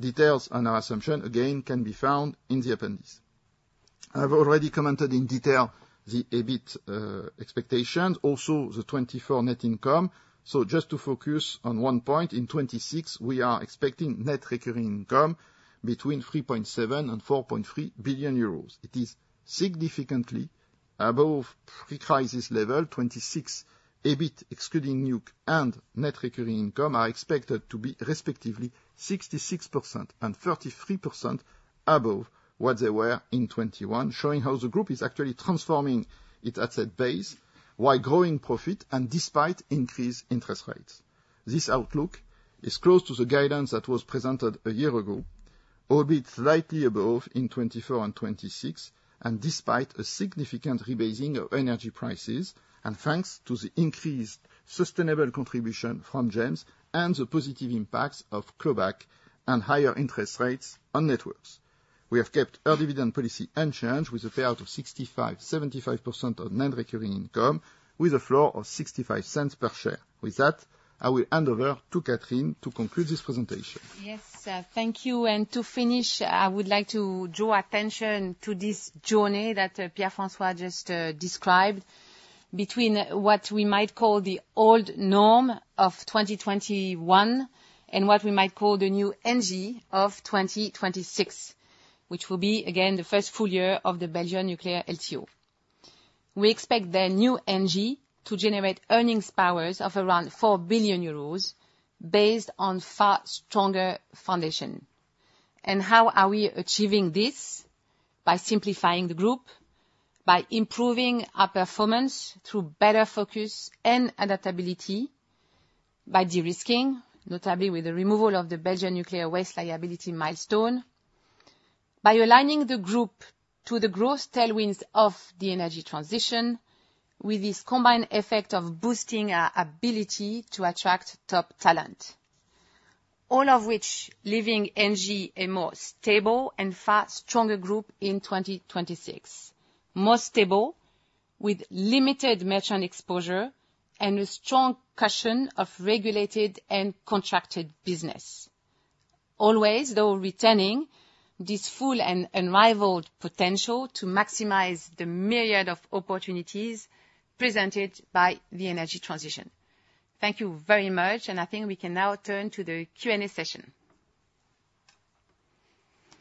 Details on our assumption, again, can be found in the appendix. I have already commented in detail the EBIT expectations, also the 2024 net income. Just to focus on one point, in 2026, we are expecting net recurring income between 3.7 billion-4.3 billion euros. It is significantly above pre-crisis level. 2026 EBIT excluding NUC and net recurring income are expected to be respectively 66% and 33% above what they were in 2021, showing how the group is actually transforming its asset base while growing profit and despite increased interest rates. This outlook is close to the guidance that was presented a year ago, albeit slightly above in 2024 and 2026, and despite a significant rebasing of energy prices and thanks to the increased sustainable contribution from GEMS and the positive impacts of clawback and higher interest rates on networks. We have kept our dividend policy unchanged with a payout of 65%-75% of net recurring income with a floor of 0.65 per share. With that, I will hand over to Catherine to conclude this presentation. Yes, thank you. To finish, I would like to draw attention to this journey that Pierre-François just described between what we might call the old norm of 2021 and what we might call the new ENGIE of 2026, which will be, again, the first full year of the Belgian nuclear LTO. We expect the new ENGIE to generate earnings powers of around 4 billion euros based on a far stronger foundation. And how are we achieving this? By simplifying the group, by improving our performance through better focus and adaptability, by de-risking, notably with the removal of the Belgian nuclear waste liability milestone, by aligning the group to the growth tailwinds of the energy transition with this combined effect of boosting our ability to attract top talent, all of which leaving ENGIE a more stable and far stronger group in 2026. More stable, with limited merchant exposure and a strong cushion of regulated and contracted business. Always, though, retaining this full and unrivaled potential to maximize the myriad of opportunities presented by the energy transition. Thank you very much. I think we can now turn to the Q&A session.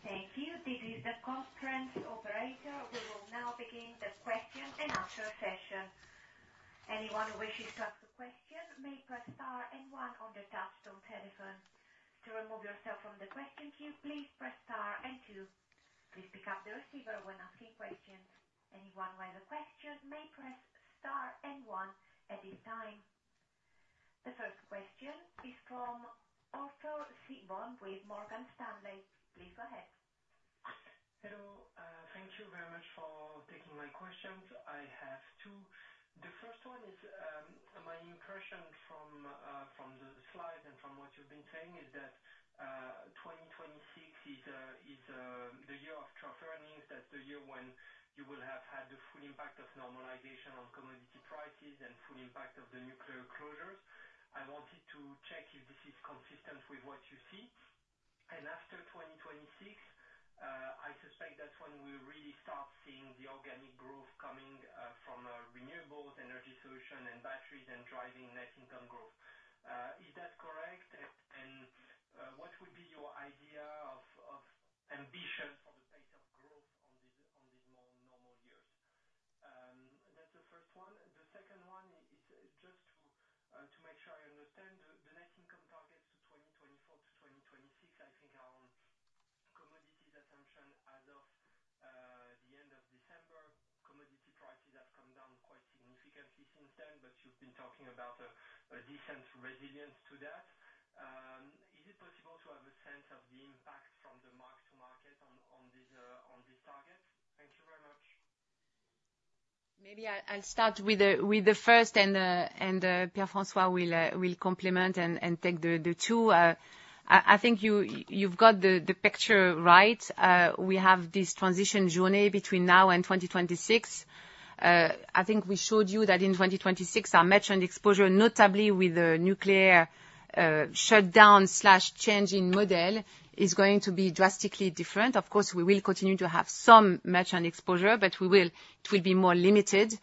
Thank you. This is the conference operator. We will now begin the question and answer session. Anyone who wishes to ask a question may press star and one on the touch-tone telephone. To remove yourself from the question queue, please press star and two. Please pick up the receiver when asking questions. Anyone with a question may press star and one at this time. The first question is from Arthur Sitbon with Morgan Stanley. Please go ahead. Hello. Thank you very much for taking my questions. I have two. The first one is my impression from the slides and from what you've been saying is that 2026 is the year of true earnings, that's the year when you will have had the full impact of normalization on commodity prices and full impact of the nuclear closures. I wanted to check if this is consistent with what you see. After 2026, I suspect that's when we'll really start seeing the organic growth coming from renewables, energy solution, and batteries and driving net income growth. Is that correct? What would be your idea of ambition for the pace of growth on these more normal years? That's the first one. The second one is just to make sure I understand. The net income targets for 2024 to 2026, I think, are on commodities assumption as of the end of December. Commodity prices have come down quite significantly since then, but you've been talking about a decent resilience to that. Is it possible to have a sense of the impact from the mark to market on these targets? Thank you very much. Maybe I'll start with the first, and Pierre-François will complement and take the two. I think you've got the picture right. We have this transition journey between now and 2026. I think we showed you that in 2026, our merchant exposure, notably with the nuclear shutdown/change in model, is going to be drastically different. Of course, we will continue to have some merchant exposure, but it will be more limited.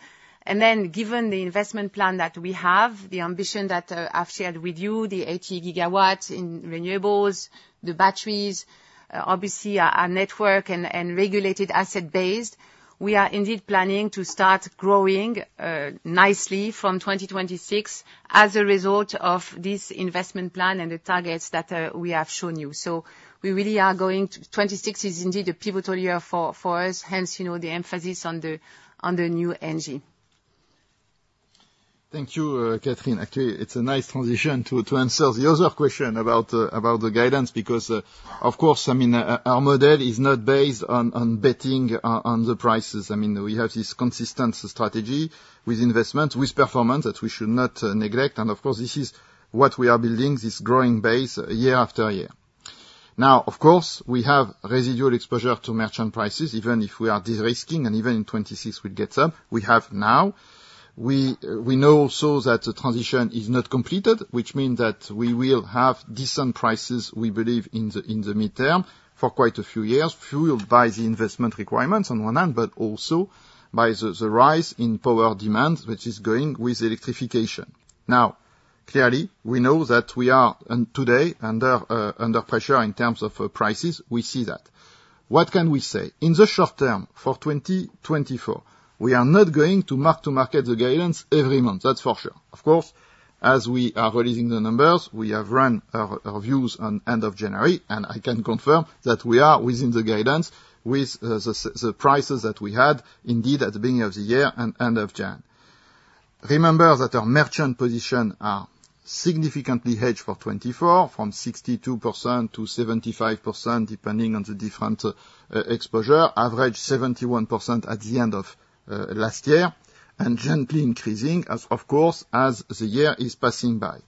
Then, given the investment plan that we have, the ambition that I've shared with you, the 80 GW in renewables, the batteries, obviously, our network and regulated asset base, we are indeed planning to start growing nicely from 2026 as a result of this investment plan and the targets that we have shown you. So we really are going to 2026, is indeed a pivotal year for us, hence the emphasis on the new ENGIE. Thank you, Catherine. Actually, it's a nice transition to answer the other question about the guidance because, of course, I mean, our model is not based on betting on the prices. I mean, we have this consistent strategy with investments, with performance that we should not neglect. And of course, this is what we are building, this growing base year after year. Now, of course, we have residual exposure to merchant prices, even if we are de-risking, and even in 2026, we'll get up. We have now. We know also that the transition is not completed, which means that we will have decent prices, we believe, in the mid-term for quite a few years, fueled by the investment requirements on one hand, but also by the rise in power demand, which is going with electrification. Now, clearly, we know that we are today under pressure in terms of prices. We see that. What can we say? In the short term, for 2024, we are not going to mark to market the guidance every month. That's for sure. Of course, as we are releasing the numbers, we have run our views on the end of January, and I can confirm that we are within the guidance with the prices that we had indeed at the beginning of the year and end of January. Remember that our merchant positions are significantly hedged for 2024, from 62%-75% depending on the different exposure, average 71% at the end of last year, and gently increasing, of course, as the year is passing by.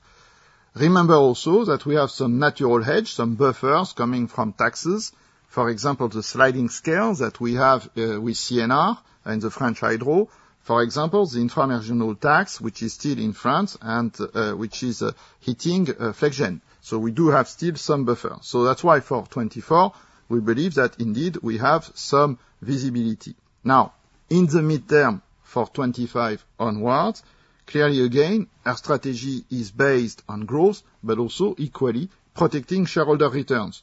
Remember also that we have some natural hedge, some buffers coming from taxes. For example, the sliding scales that we have with CNR and the French hydro, for example, the inframarginal tax, which is still in France and which is hitting flex-gen. So we do have still some buffers. So that's why for 2024, we believe that indeed we have some visibility. Now, in the mid-term for 2025 onwards, clearly, again, our strategy is based on growth, but also equally protecting shareholder returns.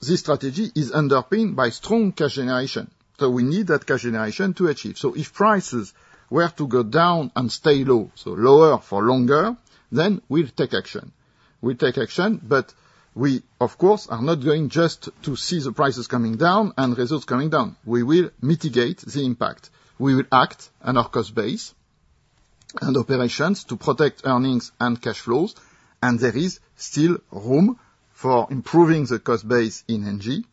This strategy is underpinned by strong cash generation. So we need that cash generation to achieve. So if prices were to go down and stay low, so lower for longer, then we'll take action. We'll take action, but we, of course, are not going just to see the prices coming down and results coming down. We will mitigate the impact. We will act on our cost base and operations to protect earnings and cash flows, and there is still room for improving the cost base in ENGIE.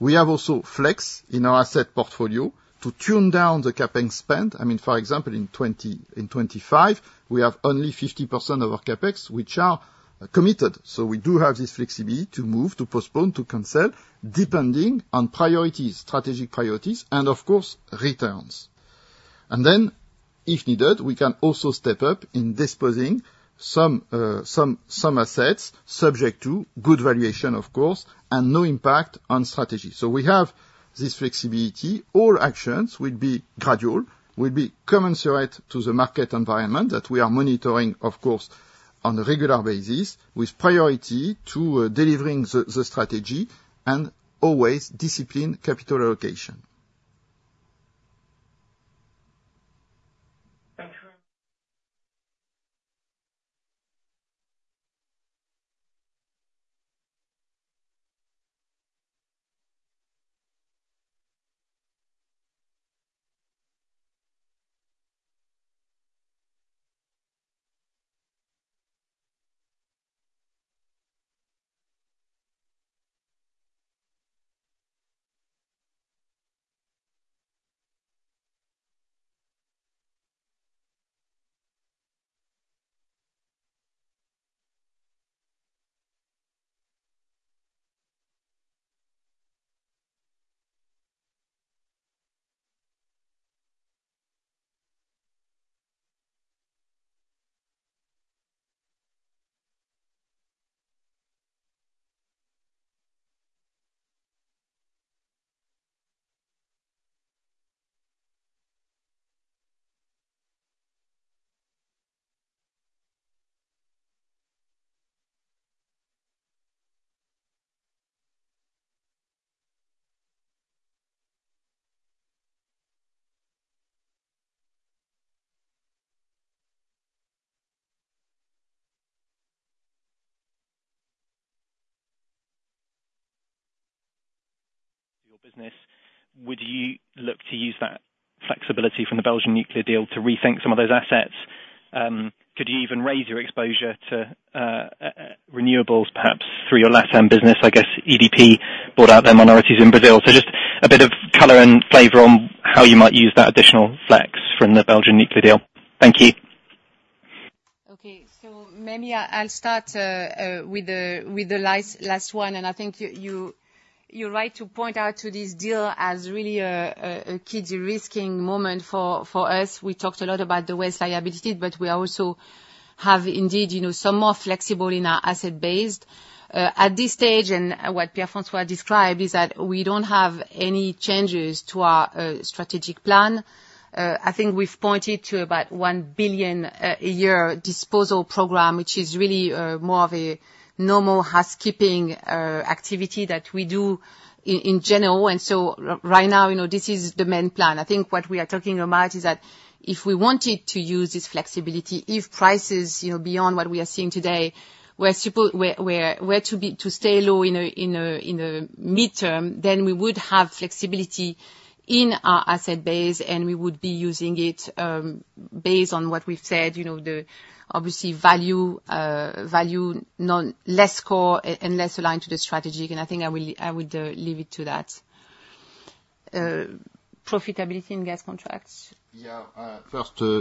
We have also flex in our asset portfolio to tune down the CapEx spend. I mean, for example, in 2025, we have only 50% of our CapEx, which are committed. So we do have this flexibility to move, to postpone, to cancel, depending on priorities, strategic priorities, and of course, returns. Then, if needed, we can also step up in disposing of some assets subject to good valuation, of course, and no impact on strategy. So we have this flexibility. All actions will be gradual, will be commensurate to the market environment that we are monitoring, of course, on a regular basis, with priority to delivering the strategy and always disciplined capital allocation. Thank you. Your business, would you look to use that flexibility from the Belgian nuclear deal to rethink some of those assets? Could you even raise your exposure to renewables, perhaps, through your LATAM business? I guess EDP bought out their minorities in Brazil. So just a bit of color and flavor on how you might use that additional flex from the Belgian nuclear deal. Thank you. Okay. So maybe I'll start with the last one. I think you're right to point out this deal as really a key de-risking moment for us. We talked a lot about the waste liability, but we also have indeed some more flexible in our asset-based. At this stage, and what Pierre-François described is that we don't have any changes to our strategic plan. I think we've pointed to about 1 billion a year disposal program, which is really more of a normal housekeeping activity that we do in general. So right now, this is the main plan. I think what we are talking about is that if we wanted to use this flexibility, if prices beyond what we are seeing today were to stay low in the mid-term, then we would have flexibility in our asset base, and we would be using it based on what we've said, the obviously valueless core and less aligned to the strategy. I think I would leave it to that. Profitability in gas contracts? Yeah.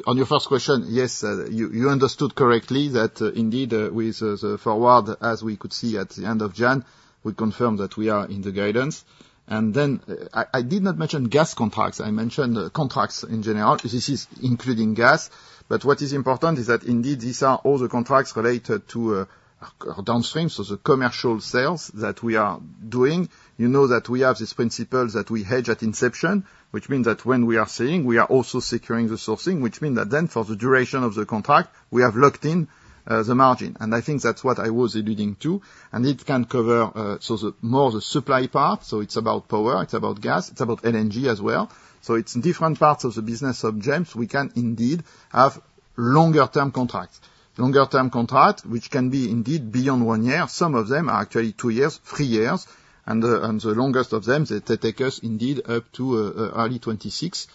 On your first question, yes, you understood correctly that indeed, with the forward, as we could see at the end of January, we confirm that we are in the guidance. Then I did not mention gas contracts. I mentioned contracts in general. This is including gas. But what is important is that indeed, these are all the contracts related to our downstream, so the commercial sales that we are doing. You know that we have this principle that we hedge at inception, which means that when we are selling, we are also securing the sourcing, which means that then, for the duration of the contract, we have locked in the margin. And I think that's what I was alluding to. And it can cover more the supply part. So it's about power. It's about gas. It's about LNG as well. So it's in different parts of the business of GEMS. We can indeed have longer-term contracts. Longer-term contracts, which can be indeed beyond one year. Some of them are actually two years, three years. And the longest of them, they take us indeed up to early 2026,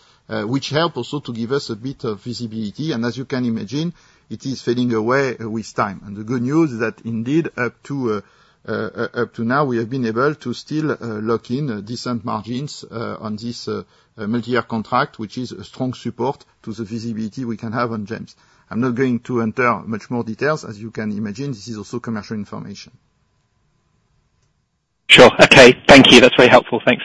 which helps also to give us a bit of visibility. And as you can imagine, it is fading away with time. And the good news is that indeed, up to now, we have been able to still lock in decent margins on this multi-year contract, which is a strong support to the visibility we can have on GEMS. I'm not going to enter much more details. As you can imagine, this is also commercial information. Sure. Okay. Thank you. That's very helpful. Thanks.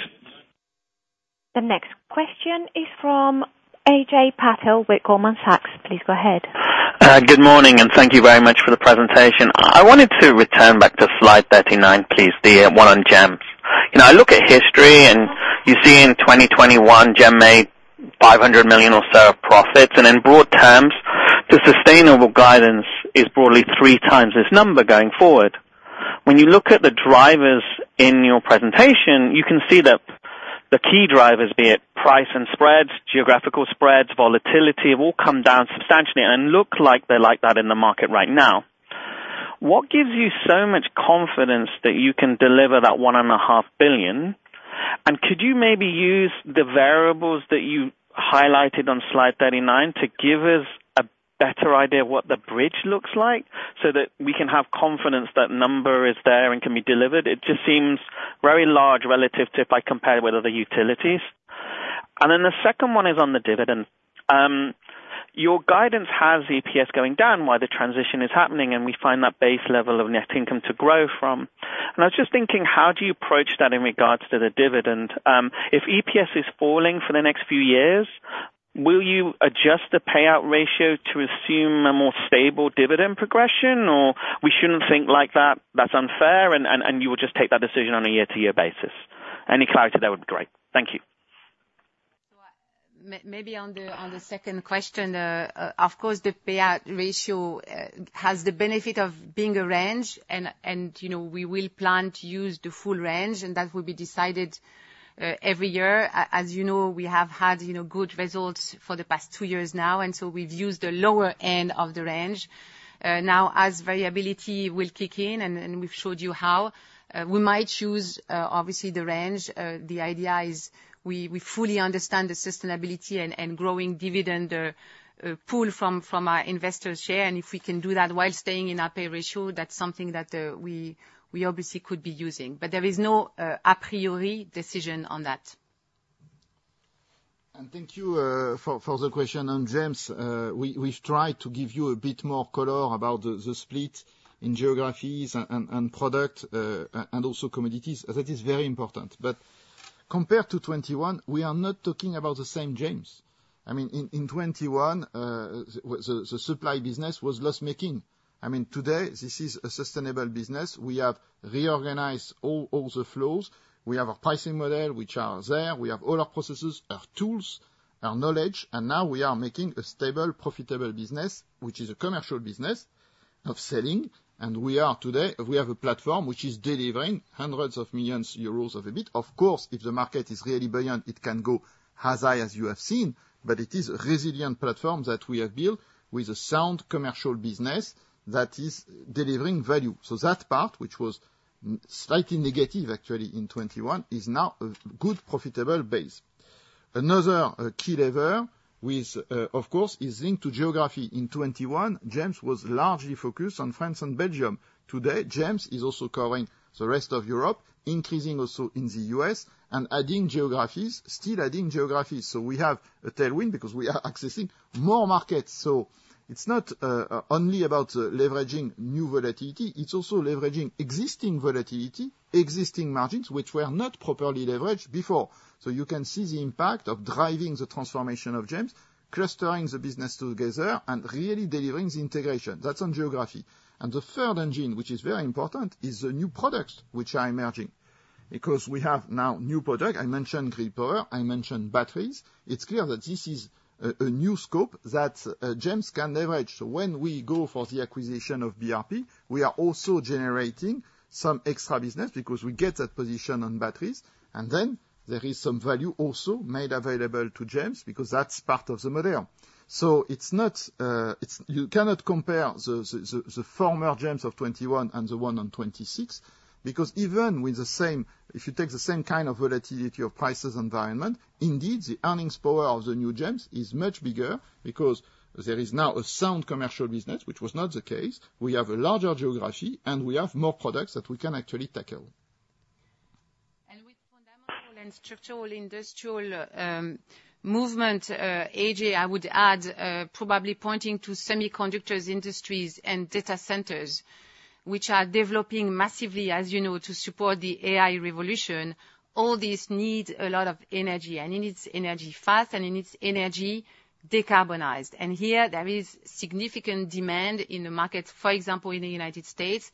The next question is from Ajay Patel with Goldman Sachs. Please go ahead. Good morning. And thank you very much for the presentation. I wanted to return back to slide 39, please, the one on GEMS. I look at history, and you see in 2021, GEMS made 500 million or so of profits. And in broad terms, the sustainable guidance is broadly three times this number going forward. When you look at the drivers in your presentation, you can see that the key drivers, be it price and spreads, geographical spreads, volatility, have all come down substantially and look like they're like that in the market right now. What gives you so much confidence that you can deliver that 1.5 billion? And could you maybe use the variables that you highlighted on slide 39 to give us a better idea of what the bridge looks like so that we can have confidence that number is there and can be delivered? It just seems very large relative to if I compare it with other utilities. And then the second one is on the dividend. Your guidance has EPS going down while the transition is happening, and we find that base level of net income to grow from. I was just thinking, how do you approach that in regards to the dividend? If EPS is falling for the next few years, will you adjust the payout ratio to assume a more stable dividend progression, or we shouldn't think like that? That's unfair. And you will just take that decision on a year-to-year basis. Any clarity there would be great. Thank you. So maybe on the second question, of course, the payout ratio has the benefit of being a range, and we will plan to use the full range, and that will be decided every year. As you know, we have had good results for the past two years now, and so we've used the lower end of the range. Now, as variability will kick in, and we've showed you how, we might choose, obviously, the range. The idea is we fully understand the sustainability and growing dividend pool from our investors' share. And if we can do that while staying in our pay ratio, that's something that we obviously could be using. But there is no a priori decision on that. And thank you for the question on GEMS. We've tried to give you a bit more color about the split in geographies and product and also commodities. That is very important. But compared to 2021, we are not talking about the same GEMS. I mean, in 2021, the supply business was loss-making. I mean, today, this is a sustainable business. We have reorganized all the flows. We have our pricing model, which are there. We have all our processes, our tools, our knowledge. And now, we are making a stable, profitable business, which is a commercial business of selling. Today, we have a platform which is delivering hundreds of millions euros of EBIT. Of course, if the market is really buoyant, it can go as high as you have seen. But it is a resilient platform that we have built with a sound commercial business that is delivering value. So that part, which was slightly negative, actually, in 2021, is now a good, profitable base. Another key lever, of course, is linked to geography. In 2021, GEMS was largely focused on France and Belgium. Today, GEMS is also covering the rest of Europe, increasing also in the U.S. and adding geographies, still adding geographies. So we have a tailwind because we are accessing more markets. So it's not only about leveraging new volatility. It's also leveraging existing volatility, existing margins, which were not properly leveraged before. You can see the impact of driving the transformation of GEMS, clustering the business together, and really delivering the integration. That's on geography. The third engine, which is very important, is the new products which are emerging because we have now new products. I mentioned green power. I mentioned batteries. It's clear that this is a new scope that GEMS can leverage. When we go for the acquisition of BRP, we are also generating some extra business because we get that position on batteries. Then there is some value also made available to GEMS because that's part of the model. So you cannot compare the former GEMS of 2021 and the one on 2026 because even with the same if you take the same kind of volatility of prices environment, indeed, the earnings power of the new GEMS is much bigger because there is now a sound commercial business, which was not the case. We have a larger geography, and we have more products that we can actually tackle. And with fundamental and structural industrial movement, Ajay, I would add, probably pointing to semiconductors industries and data centers, which are developing massively, as you know, to support the AI revolution, all these need a lot of energy. And it needs energy fast, and it needs energy decarbonized. And here, there is significant demand in the markets, for example, in the United States,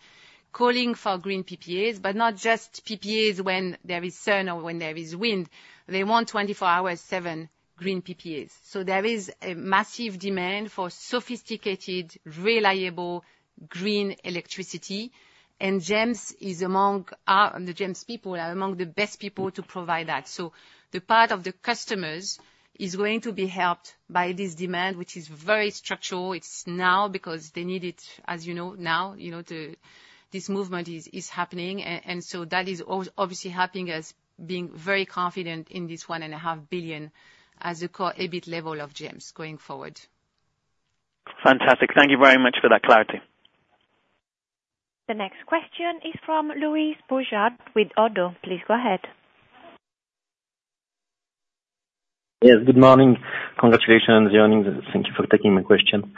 calling for green PPAs, but not just PPAs when there is sun or when there is wind. They want 24/7 green PPAs. So there is a massive demand for sophisticated, reliable green electricity. And GEMS is among the GEMS people are among the best people to provide that. So the part of the customers is going to be helped by this demand, which is very structural. It's now because they need it, as you know, now, this movement is happening. And so that is obviously helping us being very confident in this 1.5 billion as the core EBIT level of GEMS going forward. Fantastic. Thank you very much for that clarity. The next question is from Louis Boujard with Oddo. Please go ahead. Yes. Good morning. Congratulations on joining. Thank you for taking my question.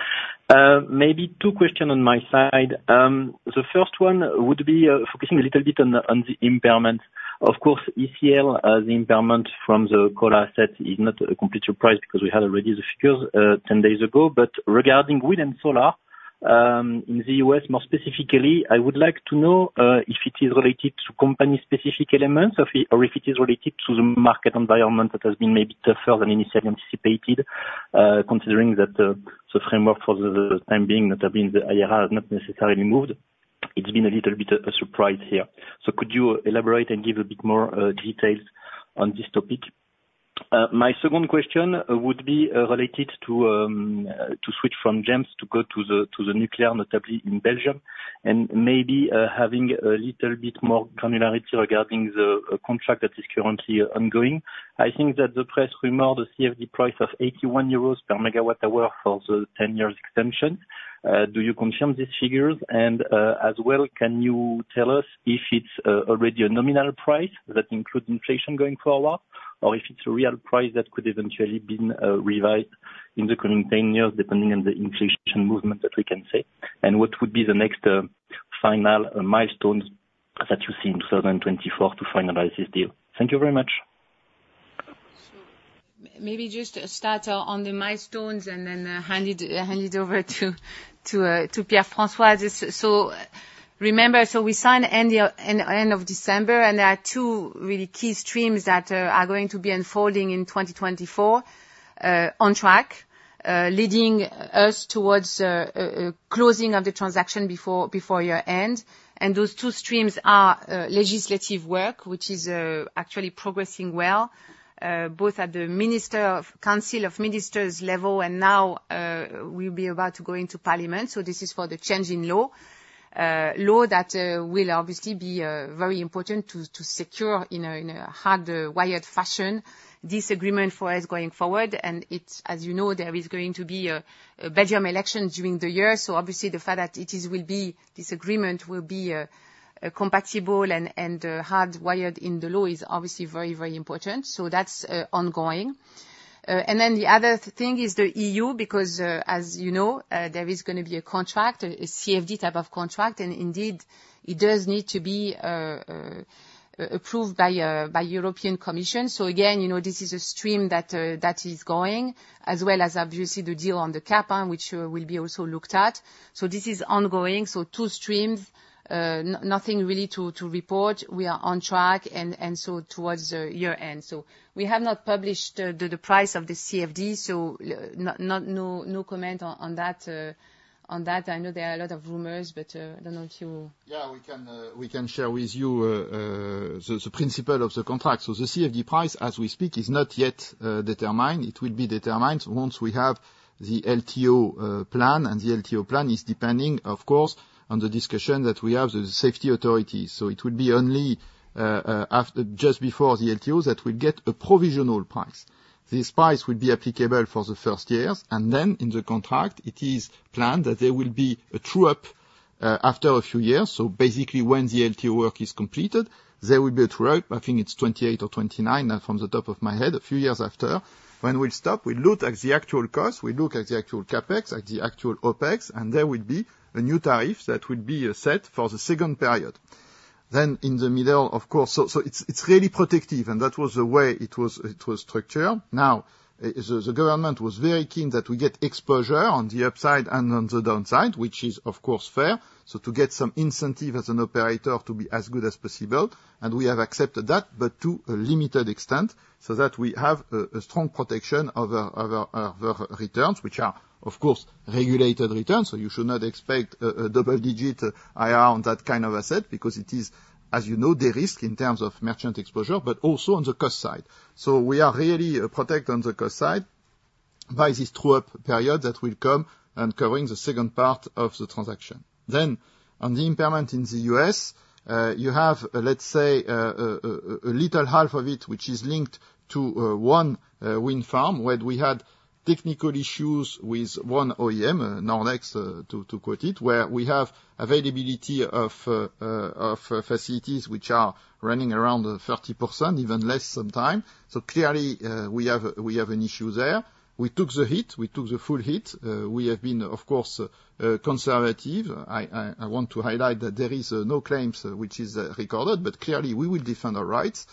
Maybe two questions on my side. The first one would be focusing a little bit on the impairment. Of course, ECL, the impairment from the core asset is not a complete surprise because we had already the figures 10 days ago. But regarding wind and solar in the U.S., more specifically, I would like to know if it is related to company-specific elements or if it is related to the market environment that has been maybe tougher than initially anticipated, considering that the framework for the time being, notably in the IRA, has not necessarily moved. It's been a little bit of a surprise here. So could you elaborate and give a bit more details on this topic? My second question would be related to switch from GEMS to go to the nuclear, notably in Belgium, and maybe having a little bit more granularity regarding the contract that is currently ongoing. I think that the press rumored a CfD price of 81 euros per MWh for the 10-year extension. Do you confirm these figures? And as well, can you tell us if it's already a nominal price that includes inflation going forward or if it's a real price that could eventually be revised in the coming 10 years, depending on the inflation movement that we can see, and what would be the next final milestones that you see in 2024 to finalize this deal? Thank you very much. So maybe just a start on the milestones and then hand it over to Pierre-François. So remember, so we signed end of December, and there are two really key streams that are going to be unfolding in 2024 on track, leading us towards closing of the transaction before year-end. Those two streams are legislative work, which is actually progressing well, both at the Council of Ministers level and now we'll be about to go into Parliament. So this is for the change in law, law that will obviously be very important to secure in a hard-wired fashion this agreement for us going forward. And as you know, there is going to be a Belgian election during the year. So obviously, the fact that it will be this agreement will be compatible and hard-wired in the law is obviously very, very important. So that's ongoing. And then the other thing is the EU because, as you know, there is going to be a contract, a CFD type of contract. And indeed, it does need to be approved by European Commission. So again, this is a stream that is going, as well as obviously, the deal on the Cap, which will be also looked at. This is ongoing. Two streams, nothing really to report. We are on track and so towards year-end. We have not published the price of the CFD, so no comment on that. I know there are a lot of rumors, but I don't know if you. We can share with you the principle of the contract. The CFD price, as we speak, is not yet determined. It will be determined once we have the LTO plan. The LTO plan is depending, of course, on the discussion that we have with the safety authorities. It will be only just before the LTO that we'll get a provisional price. This price will be applicable for the first years. And then in the contract, it is planned that there will be a true-up after a few years. So basically, when the LTO work is completed, there will be a true-up. I think it's 2028 or 2029, from the top of my head, a few years after. When we'll stop, we'll look at the actual cost. We'll look at the actual CapEx, at the actual OpEx. And there will be a new tariff that will be set for the second period. Then in the middle, of course so it's really protective. And that was the way it was structured. Now, the government was very keen that we get exposure on the upside and on the downside, which is, of course, fair, so to get some incentive as an operator to be as good as possible. We have accepted that, but to a limited extent so that we have a strong protection of our returns, which are, of course, regulated returns. So you should not expect a double-digit IRR on that kind of asset because it is, as you know, de-risk in terms of merchant exposure, but also on the cost side. So we are really protected on the cost side by this true-up period that will come and covering the second part of the transaction. Then on the impairment in the U.S., you have, let's say, a little half of it, which is linked to one wind farm where we had technical issues with one OEM, Nordex, to quote it, where we have availability of facilities which are running around 30%, even less sometimes. So clearly, we have an issue there. We took the hit. We took the full hit. We have been, of course, conservative. I want to highlight that there is no claims which is recorded, but clearly, we will defend our rights.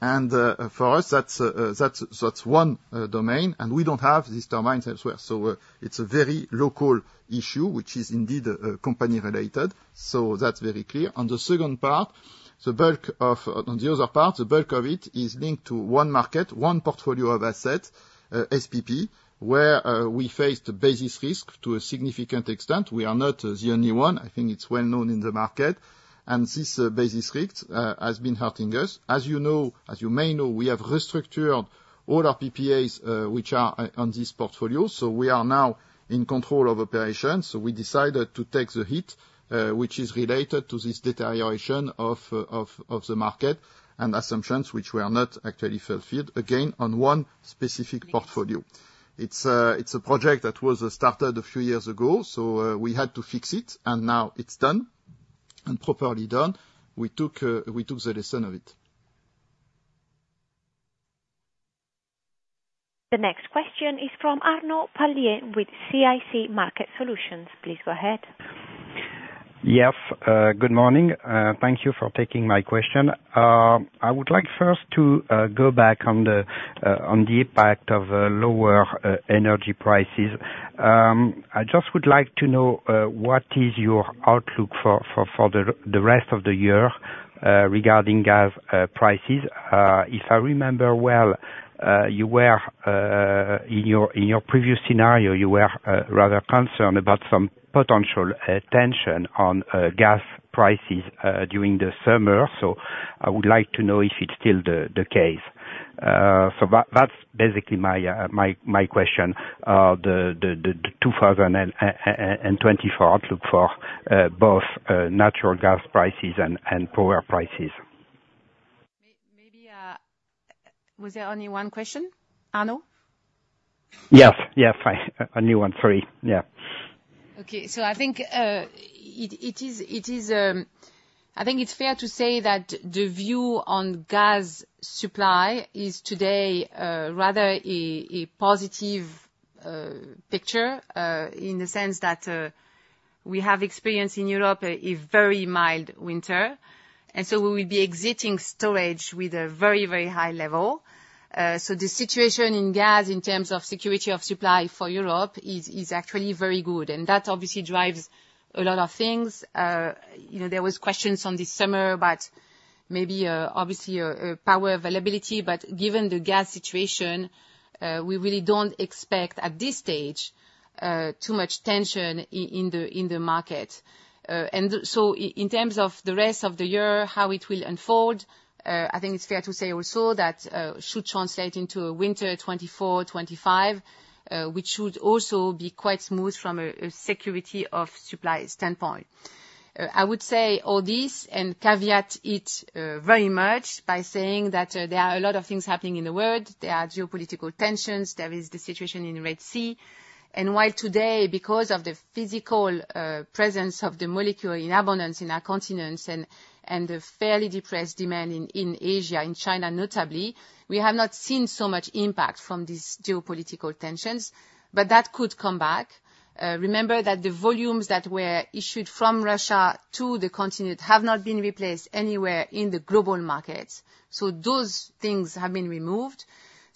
And for us, that's one domain. And we don't have these turbines elsewhere. So it's a very local issue, which is indeed company-related. So that's very clear. On the second part, the bulk of on the other part, the bulk of it is linked to one market, one portfolio of assets, SPP, where we faced basis risk to a significant extent. We are not the only one. I think it's well known in the market. And this basis risk has been hurting us. As you may know, we have restructured all our PPAs which are on this portfolio. So we are now in control of operations. So we decided to take the hit, which is related to this deterioration of the market and assumptions which were not actually fulfilled, again, on one specific portfolio. It's a project that was started a few years ago. So we had to fix it. And now, it's done and properly done. We took the lesson of it. The next question is from Arnaud Palliez with CIC Market Solutions. Please go ahead. Yes. Good morning. Thank you for taking my question. I would like first to go back on the impact of lower energy prices. I just would like to know what is your outlook for the rest of the year regarding gas prices. If I remember well, in your previous scenario, you were rather concerned about some potential tension on gas prices during the summer. So I would like to know if it's still the case. So that's basically my question, the 2024 outlook for both natural gas prices and power prices. Maybe was there only one question, Arnaud? Yes. Yes. Only one. Sorry. Yeah. Okay. So I think it's fair to say that the view on gas supply is today rather a positive picture in the sense that we have experienced in Europe a very mild winter. And so we will be exiting storage with a very, very high level. So the situation in gas in terms of security of supply for Europe is actually very good. And that obviously drives a lot of things. There was questions on this summer about maybe, obviously, power availability. But given the gas situation, we really don't expect at this stage too much tension in the market. And so in terms of the rest of the year, how it will unfold, I think it's fair to say also that should translate into a winter 2024, 2025, which should also be quite smooth from a security of supply standpoint. I would say all this and caveat it very much by saying that there are a lot of things happening in the world. There are geopolitical tensions. There is the situation in the Red Sea. And while today, because of the physical presence of the molecule in abundance in our continents and the fairly depressed demand in Asia, in China notably, we have not seen so much impact from these geopolitical tensions, but that could come back. Remember that the volumes that were issued from Russia to the continent have not been replaced anywhere in the global markets. So those things have been removed.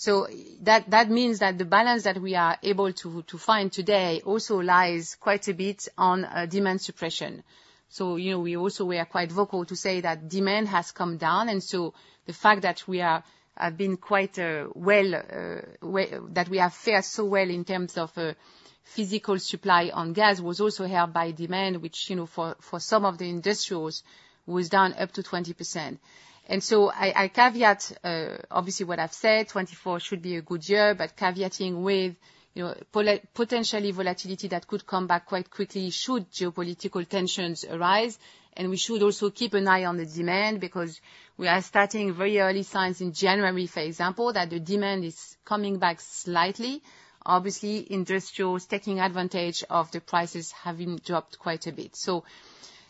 So that means that the balance that we are able to find today also lies quite a bit on demand suppression. So we also were quite vocal to say that demand has come down. And so the fact that we have been quite well that we have fared so well in terms of physical supply on gas was also helped by demand, which for some of the industrials was down up to 20%. And so I caveat, obviously, what I've said. 2024 should be a good year, but caveating with potentially volatility that could come back quite quickly should geopolitical tensions arise. And we should also keep an eye on the demand because we are starting very early signs in January, for example, that the demand is coming back slightly. Obviously, industrials taking advantage of the prices having dropped quite a bit. So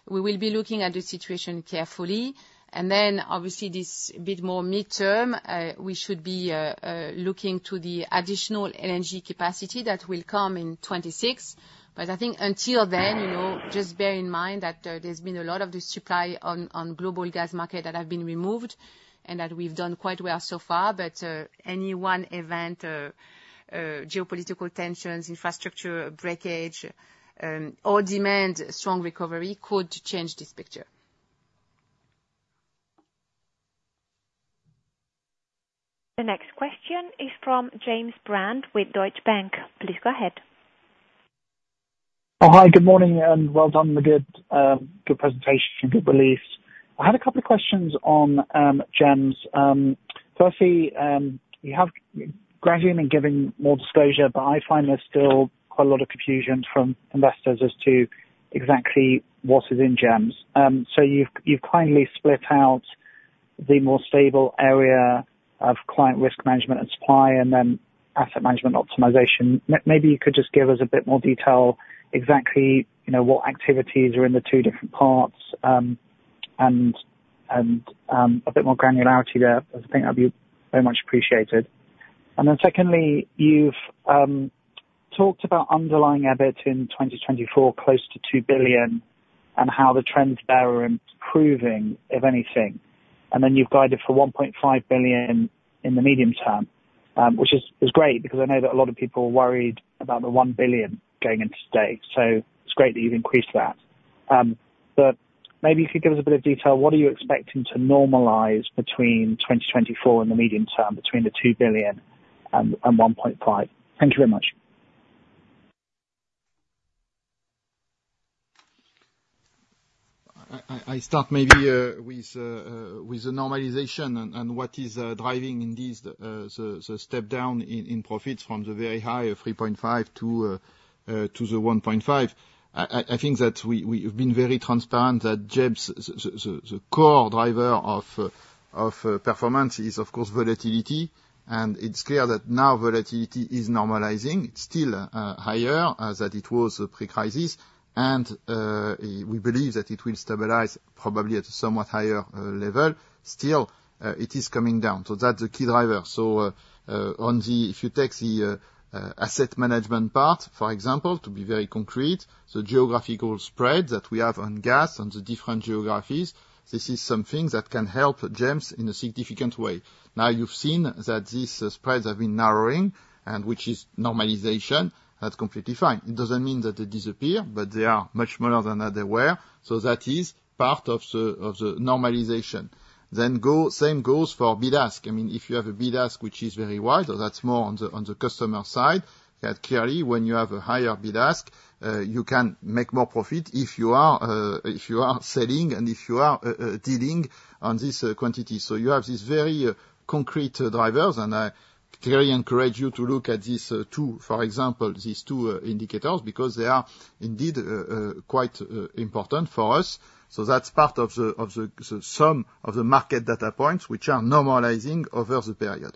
we will be looking at the situation carefully. And then, obviously, this bit more mid-term, we should be looking to the additional energy capacity that will come in 2026. But I think until then, just bear in mind that there's been a lot of the supply on global gas market that have been removed and that we've done quite well so far. But any one event, geopolitical tensions, infrastructure breakage, or demand strong recovery could change this picture. The next question is from James Brand with Deutsche Bank. Please go ahead. Oh, hi. Good morning and well done on the good presentation and good release. I had a couple of questions on GEMS. Firstly, you have gradually been giving more disclosure, but I find there's still quite a lot of confusion from investors as to exactly what is in GEMS. So you've kindly split out the more stable area of client risk management and supply and then asset management optimization. Maybe you could just give us a bit more detail, exactly what activities are in the two different parts and a bit more granularity there. I think that'd be very much appreciated. And then secondly, you've talked about underlying EBIT in 2024 close to 2 billion and how the trends there are improving, if anything. And then you've guided for 1.5 billion in the medium term, which is great because I know that a lot of people were worried about the 1 billion going into stay. So it's great that you've increased that. But maybe you could give us a bit of detail. What are you expecting to normalize between 2024 in the medium term, between 2 billion and 1.5 billion? Thank you very much. I start maybe with the normalization and what is driving indeed the step down in profits from the very high of 3.5 to the 1.5. I think that we've been very transparent that GEMS, the core driver of performance, is, of course, volatility. It's clear that now volatility is normalizing. It's still higher than it was pre-crisis. We believe that it will stabilize probably at a somewhat higher level. Still, it is coming down. So that's the key driver. So if you take the asset management part, for example, to be very concrete, the geographical spread that we have on gas on the different geographies, this is something that can help GEMS in a significant way. Now, you've seen that these spreads have been narrowing, which is normalization. That's completely fine. It doesn't mean that they disappear, but they are much smaller than they were. So that is part of the normalization. Then same goes for bid-ask. I mean, if you have a bid-ask which is very wide, that's more on the customer side. Clearly, when you have a higher bid-ask, you can make more profit if you are selling and if you are dealing on this quantity. So you have these very concrete drivers. And I clearly encourage you to look at these two, for example, these two indicators because they are indeed quite important for us. So that's part of the sum of the market data points which are normalizing over the period.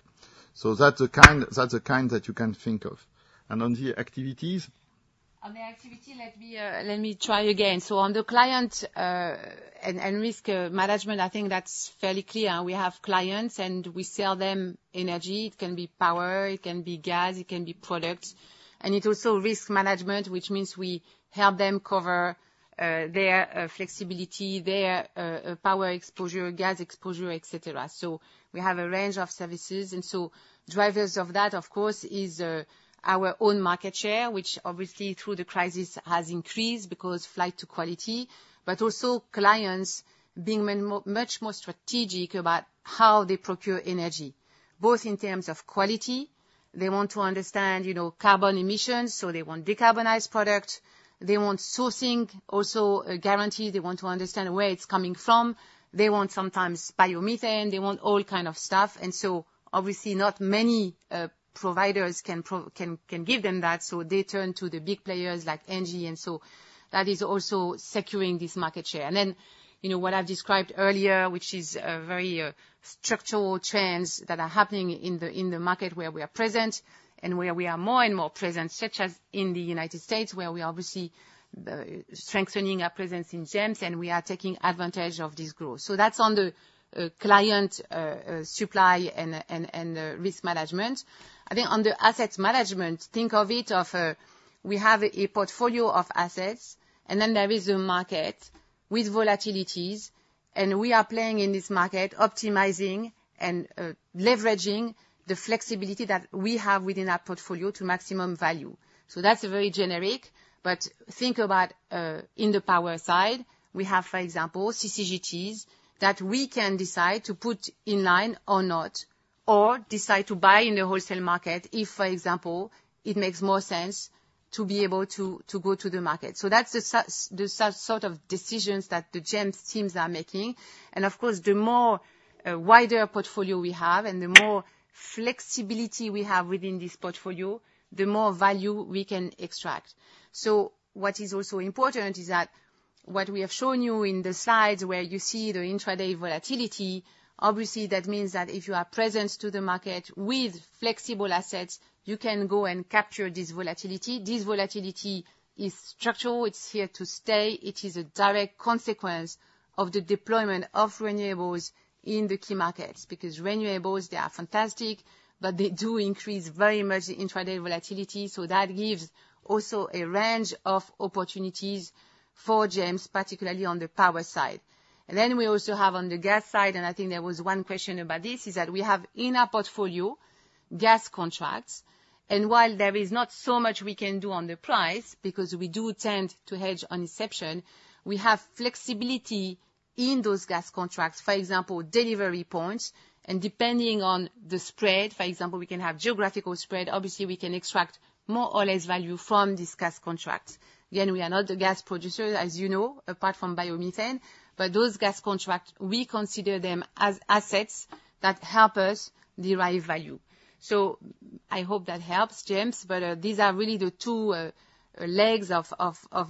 So that's the kind that you can think of. And on the activities, On the activity, let me try again. So on the client and risk management, I think that's fairly clear. We have clients, and we sell them energy. It can be power. It can be gas. It can be products. And it's also risk management, which means we help them cover their flexibility, their power exposure, gas exposure, etc. So we have a range of services. And so drivers of that, of course, is our own market share, which obviously, through the crisis, has increased because flight to quality, but also clients being much more strategic about how they procure energy, both in terms of quality. They want to understand carbon emissions. So they want decarbonized products. They want sourcing also guaranteed. They want to understand where it's coming from. They want sometimes biomethane. They want all kind of stuff. And so obviously, not many providers can give them that. So they turn to the big players like ENGIE. And so that is also securing this market share. And then what I've described earlier, which is very structural trends that are happening in the market where we are present and where we are more and more present, such as in the United States, where we are obviously strengthening our presence in GEMS, and we are taking advantage of this growth. So that's on the client supply and risk management. I think on the asset management, think of it as we have a portfolio of assets. And then there is a market with volatilities. And we are playing in this market, optimizing and leveraging the flexibility that we have within our portfolio to maximum value. So that's very generic. But think about in the power side, we have, for example, CCGTs that we can decide to put in line or not or decide to buy in the wholesale market if, for example, it makes more sense to be able to go to the market. So that's the sort of decisions that the GEMS teams are making. And of course, the wider portfolio we have and the more flexibility we have within this portfolio, the more value we can extract. So what is also important is that what we have shown you in the slides where you see the intraday volatility, obviously, that means that if you are present to the market with flexible assets, you can go and capture this volatility. This volatility is structural. It's here to stay. It is a direct consequence of the deployment of renewables in the key markets because renewables, they are fantastic, but they do increase very much the intraday volatility. So that gives also a range of opportunities for GEMS, particularly on the power side. And then we also have on the gas side and I think there was one question about this is that we have in our portfolio gas contracts. And while there is not so much we can do on the price because we do tend to hedge on inception, we have flexibility in those gas contracts, for example, delivery points. And depending on the spread, for example, we can have geographical spread. Obviously, we can extract more or less value from these gas contracts. Again, we are not the gas producers, as you know, apart from biomethane. But those gas contracts, we consider them as assets that help us derive value. So I hope that helps, GEMS. But these are really the two legs of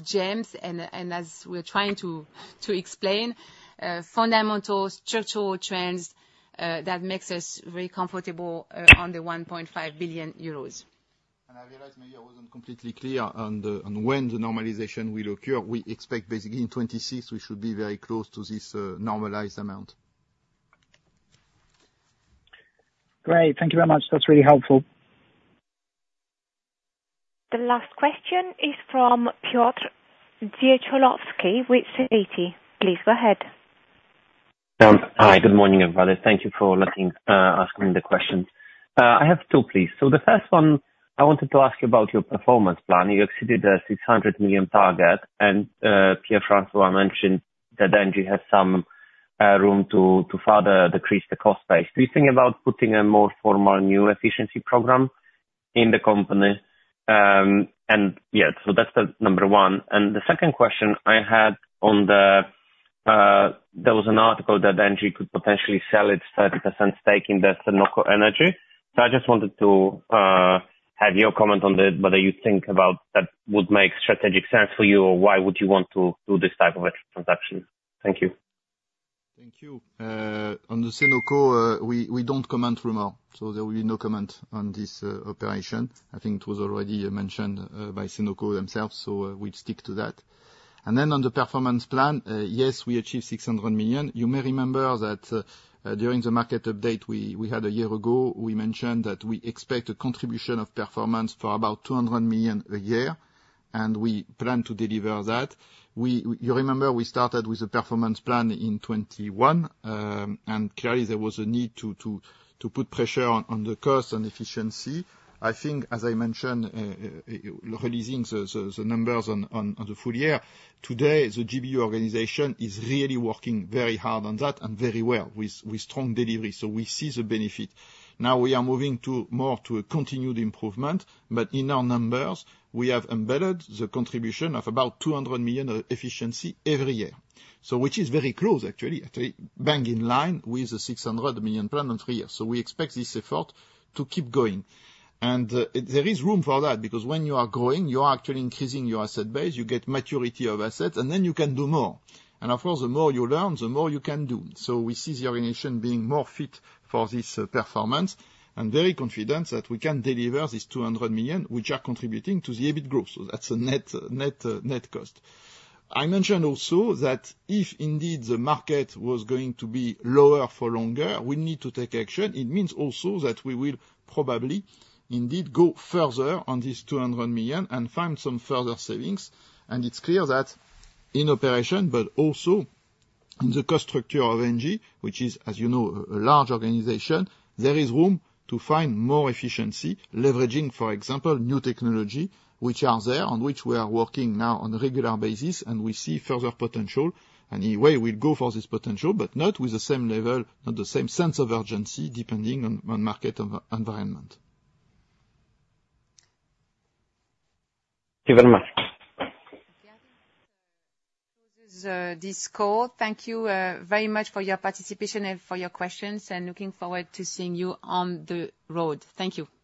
GEMS. And as we're trying to explain, fundamental structural trends that makes us very comfortable on the 1.5 billion euros. And I realize maybe I wasn't completely clear on when the normalization will occur. We expect basically in 2026, we should be very close to this normalized amount. Great. Thank you very much. That's really helpful. The last question is from Piotr Dzieciolowski with Citi. Please go ahead. Hi. Good morning, everybody. Thank you for letting us come in the questions. I have two, please. So the first one, I wanted to ask you about your performance plan. You exceeded the 600 million target. And Pierre-François mentioned that ENGIE has some room to further decrease the cost base. Do you think about putting a more formal new efficiency program in the company? And yeah, so that's the number one. And the second question I had on, there was an article that ENGIE could potentially sell its 30% stake in the Senoko Energy. So I just wanted to have your comment on it, whether you think that would make strategic sense for you or why would you want to do this type of a transaction. Thank you. Thank you. On the Senoko, we don't comment on rumor. So there will be no comment on this operation. I think it was already mentioned by Senoko themselves. So we'd stick to that. And then on the performance plan, yes, we achieved 600 million. You may remember that during the market update we had a year ago, we mentioned that we expect a contribution of performance for about 200 million a year. And we plan to deliver that. You remember we started with a performance plan in 2021. And clearly, there was a need to put pressure on the cost and efficiency. I think, as I mentioned, releasing the numbers on the full year, today, the GBU organization is really working very hard on that and very well with strong delivery. So we see the benefit. Now, we are moving more to a continued improvement. But in our numbers, we have embedded the contribution of about 200 million efficiency every year, which is very close, actually, bang in line with the 600 million plan on three years. So we expect this effort to keep going. And there is room for that because when you are growing, you are actually increasing your asset base. You get maturity of assets. And then you can do more. Of course, the more you learn, the more you can do. So we see the organization being more fit for this performance and very confident that we can deliver these 200 million, which are contributing to the EBIT growth. So that's a net cost. I mentioned also that if indeed the market was going to be lower for longer, we need to take action. It means also that we will probably indeed go further on these 200 million and find some further savings. And it's clear that in operation, but also in the cost structure of ENGIE, which is, as you know, a large organization, there is room to find more efficiency, leveraging, for example, new technology, which are there and which we are working now on a regular basis. And we see further potential. Anyway, we'll go for this potential, but not with the same level, not the same sense of urgency depending on market environment. Thank you very much. This is this call. Thank you very much for your participation and for your questions. Looking forward to seeing you on the road. Thank you. Thank you.